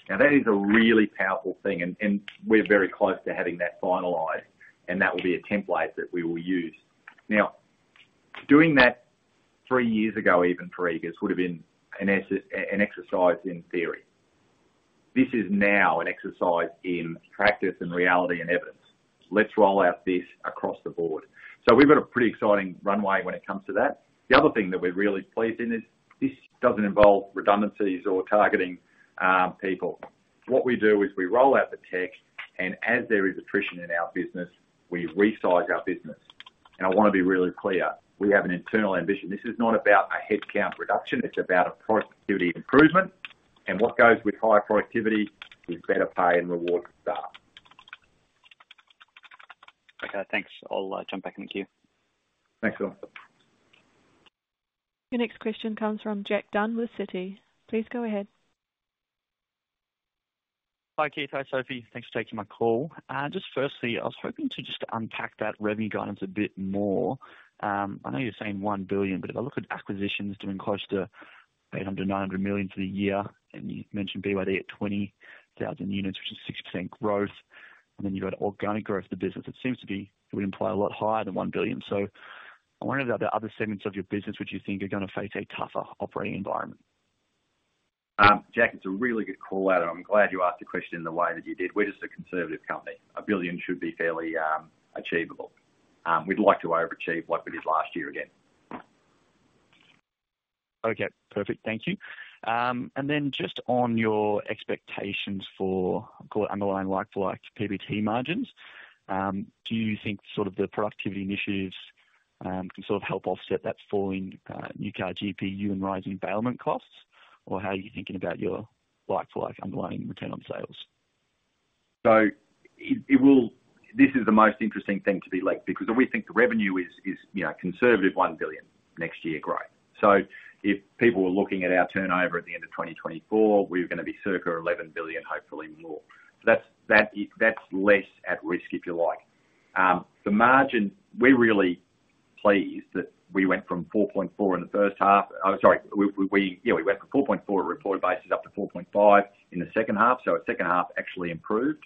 Now, that is a really powerful thing, and we're very close to having that finalized, and that will be a template that we will use. Now, doing that three years ago even for Eagers would have been an exercise in theory. This is now an exercise in practice and reality and evidence. Let's roll out this across the board. So we've got a pretty exciting runway when it comes to that. The other thing that we're really pleased in is this doesn't involve redundancies or targeting people. What we do is we roll out the tech, and as there is attrition in our business, we resize our business. And I want to be really clear. We have an internal ambition. This is not about a headcount reduction. It's about a productivity improvement. And what goes with high productivity is better pay and reward for staff. Okay. Thanks. I'll jump back in the queue. Thanks, all. Your next question comes from Jack Dunn with Citi. Please go ahead. Hi, Keith. Hi, Sophie. Thanks for taking my call. Just firstly, I was hoping to just unpack that revenue guidance a bit more. I know you're saying 1 billion, but if I look at acquisitions doing close to 800 million-900 million for the year, and you mentioned BYD at 20,000 units, which is 6% growth, and then you've got organic growth of the business, it seems to be it would imply a lot higher than 1 billion. So I wonder about the other segments of your business which you think are going to face a tougher operating environment. Jack, it's a really good call out, and I'm glad you asked the question in the way that you did. We're just a conservative company. 1 billion should be fairly achievable. We'd like to overachieve like we did last year again. Okay. Perfect. Thank you. And then just on your expectations for, I call it, underlying like-for-like PBT margins, do you think sort of the productivity initiatives can sort of help offset that falling new car GPU and rising bailment costs, or how are you thinking about your like-for-like underlying return on sales? So this is the most interesting thing to be because we think the revenue is conservative 1 billion next year growth. So if people were looking at our turnover at the end of 2024, we were going to be circa 11 billion, hopefully more. So that's less at risk, if you like. We're really pleased that we went from 4.4% in the first half sorry, yeah, we went from 4.4% at reported basis up to 4.5% in the second half. So our second half actually improved.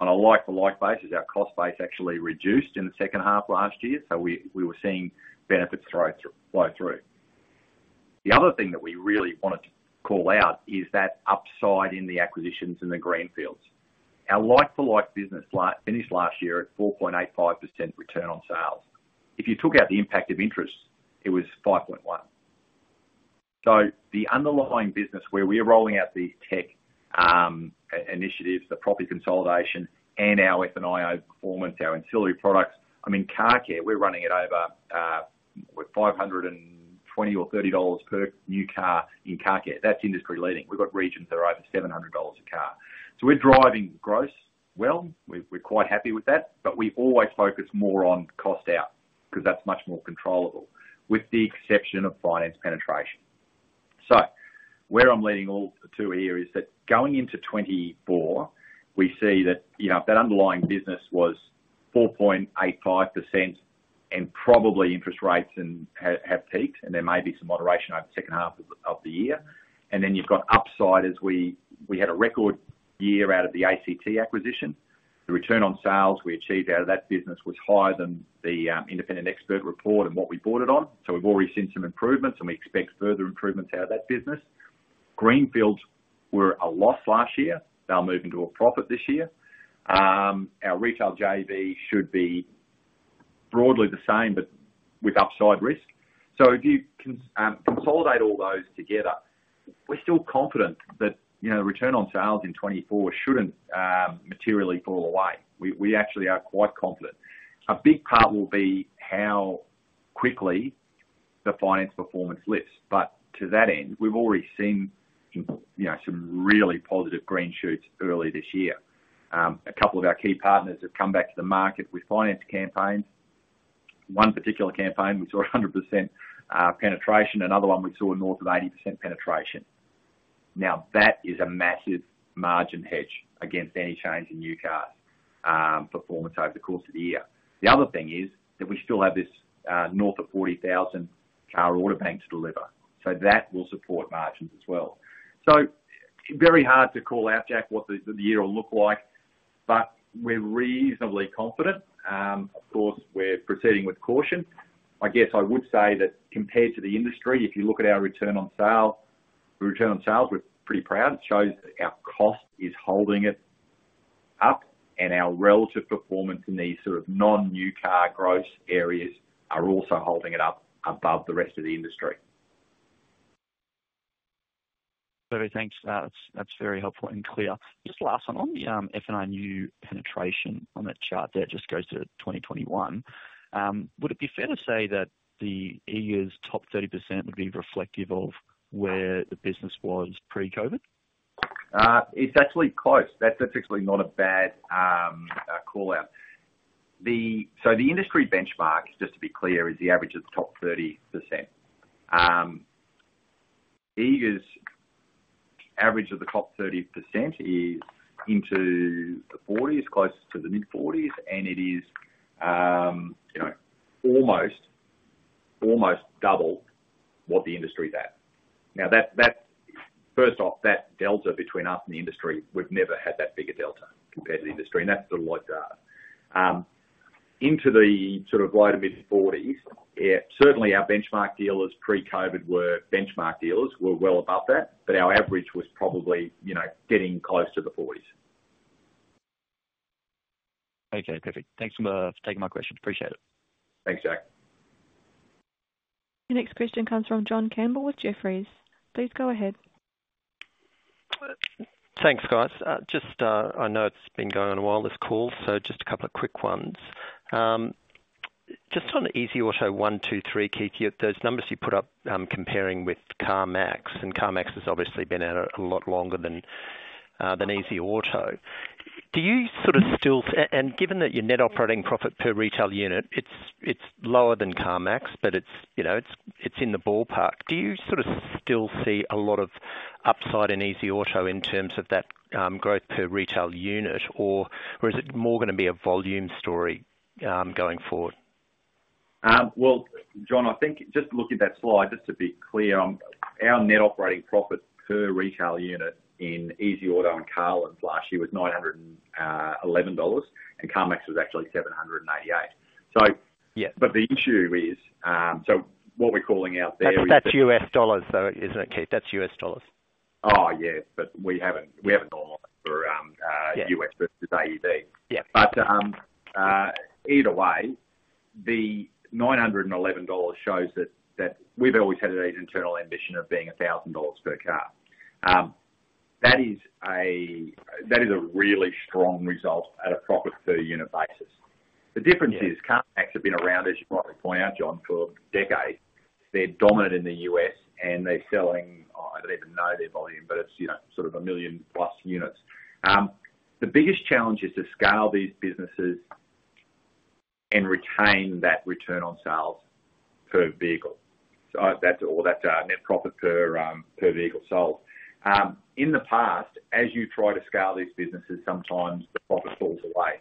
On a like-for-like basis, our cost base actually reduced in the second half last year, so we were seeing benefits flow through. The other thing that we really wanted to call out is that upside in the acquisitions in the greenfields. Our like-for-like business finished last year at 4.85% return on sales. If you took out the impact of interest, it was 5.1%. So the underlying business where we are rolling out these tech initiatives, the property consolidation, and our F&I performance, our ancillary products I mean, car care, we're running it over we're 520 or 30 per new car in car care. That's industry-leading. We've got regions that are over 700 dollars a car. So we're driving gross well. We're quite happy with that, but we always focus more on cost out because that's much more controllable with the exception of finance penetration. So where I'm leading to here is that going into 2024, we see that that underlying business was 4.85%, and probably interest rates have peaked, and there may be some moderation over the second half of the year. And then you've got upside as we had a record year out of the ACT acquisition. The return on sales we achieved out of that business was higher than the independent expert report and what we bought it on. So we've already seen some improvements, and we expect further improvements out of that business. Greenfields were a loss last year. They'll move into a profit this year. Our retail JV should be broadly the same but with upside risk. So if you consolidate all those together, we're still confident that the return on sales in 2024 shouldn't materially fall away. We actually are quite confident. A big part will be how quickly the finance performance lifts. But to that end, we've already seen some really positive green shoots early this year. A couple of our key partners have come back to the market with finance campaigns. One particular campaign, we saw 100% penetration. Another one, we saw north of 80% penetration. Now, that is a massive margin hedge against any change in new cars performance over the course of the year. The other thing is that we still have this north of 40,000-car order bank to deliver. So that will support margins as well. So very hard to call out, Jack, what the year will look like, but we're reasonably confident. Of course, we're proceeding with caution. I guess I would say that compared to the industry, if you look at our return on sale return on sales, we're pretty proud. It shows that our cost is holding it up, and our relative performance in these sort of non-new car gross areas are also holding it up above the rest of the industry. Lovely. Thanks. That's very helpful and clear. Just last one, on the F&I new penetration on that chart there, it just goes to 2021. Would it be fair to say that the Eagers' top 30% would be reflective of where the business was pre-COVID? It's actually close. That's actually not a bad call out. So the industry benchmark, just to be clear, is the average of the top 30%. Eagers' average of the top 30% is into the 40s, closest to the mid-40s, and it is almost double what the industry's at. Now, first off, that delta between us and the industry, we've never had that big a delta compared to the industry, and that's the light data. Into the sort of low to mid-40s, certainly, our benchmark dealers pre-COVID were well above that, but our average was probably getting close to the 40s. Okay. Perfect. Thanks for taking my questions. Appreciate it. Thanks, Jack. Your next question comes from John Campbell with Jefferies. Please go ahead. Thanks, guys. I know it's been going on a while, this call, so just a couple of quick ones. Just on the easyauto123, Keith, those numbers you put up comparing with CarMax, and CarMax has obviously been out a lot longer than easyauto123. Do you sort of still, and given that your net operating profit per retail unit, it's lower than CarMax, but it's in the ballpark, do you sort of still see a lot of upside in easyauto123 in terms of that growth per retail unit, or is it more going to be a volume story going forward? Well, John, I think just looking at that slide, just to be clear, our net operating profit per retail unit in easyauto123 in Carlins last year was $911, and CarMax was actually $788. But the issue is so what we're calling out there is. But that's U.S. dollars, though, isn't it, Keith? That's U.S. dollars. Oh, yeah, but we haven't normalized for U.S. versus AEB. But either way, the 911 dollars shows that we've always had a nice internal ambition of being 1,000 dollars per car. That is a really strong result at a profit per unit basis. The difference is CarMax have been around, as you rightly point out, John, for decades. They're dominant in the U.S., and they're selling I don't even know their volume, but it's sort of 1 million-plus units. The biggest challenge is to scale these businesses and retain that return on sales per vehicle. So that's our net profit per vehicle sold. In the past, as you try to scale these businesses, sometimes the profit falls away.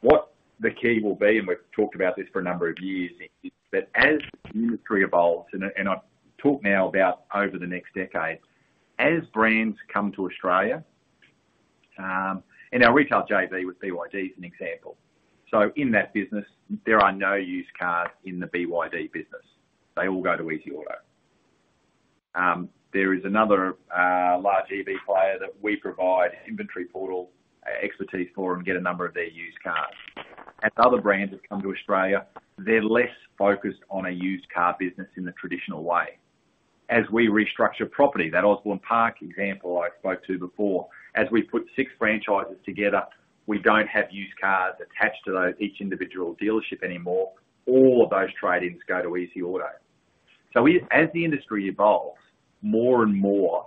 What the key will be, and we've talked about this for a number of years, is that as the industry evolves and I'll talk now about over the next decade, as brands come to Australia and our retail JV with BYD's an example. So in that business, there are no used cars in the BYD business. They all go to Easy Auto. There is another large EV player that we provide inventory portal expertise for and get a number of their used cars. As other brands have come to Australia, they're less focused on a used car business in the traditional way. As we restructure property, that Osborne Park example I spoke to before, as we put 6 franchises together, we don't have used cars attached to each individual dealership anymore. All of those trade-ins go to Easy Auto. So as the industry evolves, more and more,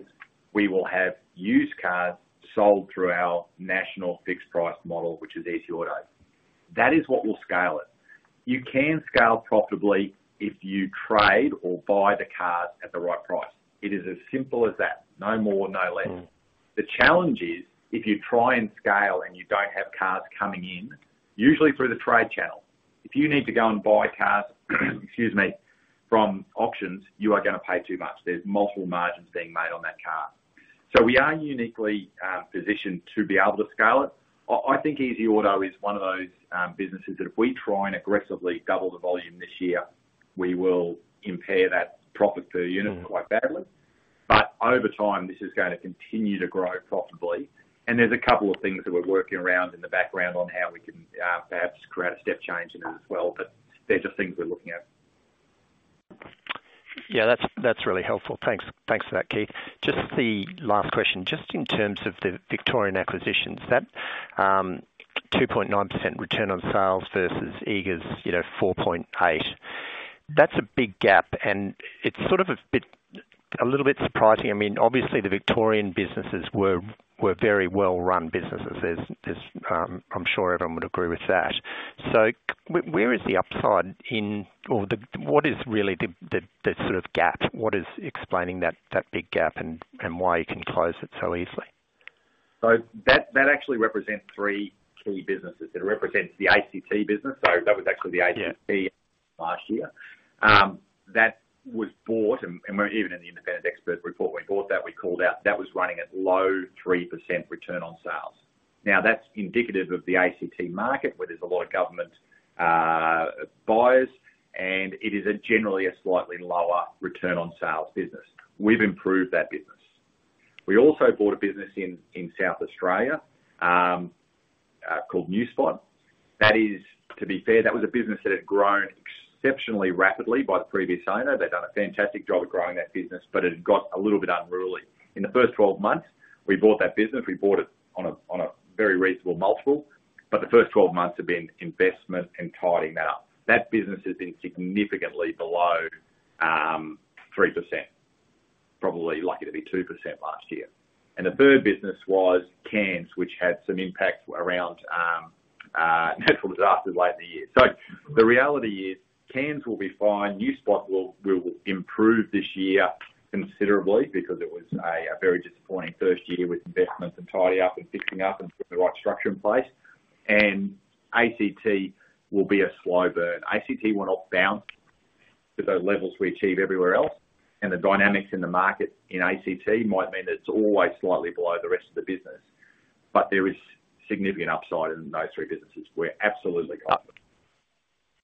we will have used cars sold through our national fixed-price model, which is Easy Auto. That is what will scale it. You can scale profitably if you trade or buy the cars at the right price. It is as simple as that. No more, no less. The challenge is if you try and scale and you don't have cars coming in, usually through the trade channel, if you need to go and buy cars - excuse me - from auctions, you are going to pay too much. There's multiple margins being made on that car. So we are uniquely positioned to be able to scale it. I think Easy Auto is one of those businesses that if we try and aggressively double the volume this year, we will impair that profit per unit quite badly. Over time, this is going to continue to grow profitably. There's a couple of things that we're working around in the background on how we can perhaps create a step change in it as well, but they're just things we're looking at. Yeah, that's really helpful. Thanks for that, Keith. Just the last question, just in terms of the Victorian acquisitions, that 2.9% return on sales versus Eagers' 4.8%, that's a big gap, and it's sort of a little bit surprising. I mean, obviously, the Victorian businesses were very well-run businesses. I'm sure everyone would agree with that. So where is the upside in or what is really the sort of gap? What is explaining that big gap and why you can close it so easily? So that actually represents three key businesses. It represents the ACT business. So that was actually the ACT last year. That was bought, and even in the independent expert report, when we bought that, we called out that was running at low 3% return on sales. Now, that's indicative of the ACT market where there's a lot of government buyers, and it is generally a slightly lower return on sales business. We've improved that business. We also bought a business in South Australia called Newspot. To be fair, that was a business that had grown exceptionally rapidly by the previous owner. They'd done a fantastic job at growing that business, but it had got a little bit unruly. In the first 12 months, we bought that business. We bought it on a very reasonable multiple, but the first 12 months have been investment and tidying that up. That business has been significantly below 3%, probably lucky to be 2% last year. The third business was Cairns, which had some impacts around natural disasters late in the year. The reality is Cairns will be fine. Newspot will improve this year considerably because it was a very disappointing first year with investments and tidying up and fixing up and putting the right structure in place. ACT will be a slow burn. ACT went off-bounds to those levels we achieve everywhere else, and the dynamics in the market in ACT might mean that it's always slightly below the rest of the business. There is significant upside in those three businesses. We're absolutely confident.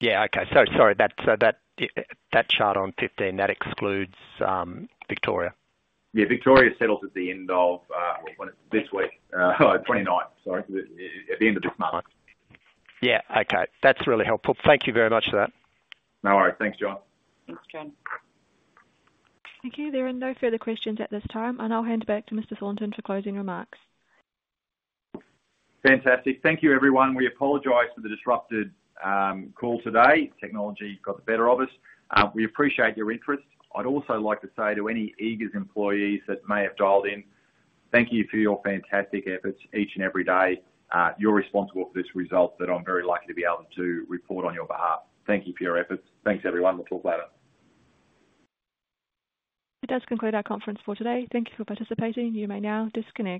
Yeah. Okay. So sorry, that chart on 15, that excludes Victoria. Yeah, Victoria settles at the end of this week. Oh, 29th. Sorry, at the end of this month. Yeah. Okay. That's really helpful. Thank you very much for that. No worries. Thanks, John. Thanks, John. Thank you. There are no further questions at this time, and I'll hand back to Mr. Thornton for closing remarks. Fantastic. Thank you, everyone. We apologize for the disrupted call today. Technology got the better of us. We appreciate your interest. I'd also like to say to any Eagers employees that may have dialed in, thank you for your fantastic efforts each and every day. You're responsible for this result that I'm very lucky to be able to report on your behalf. Thank you for your efforts. Thanks, everyone. We'll talk later. It does conclude our conference for today. Thank you for participating. You may now disconnect.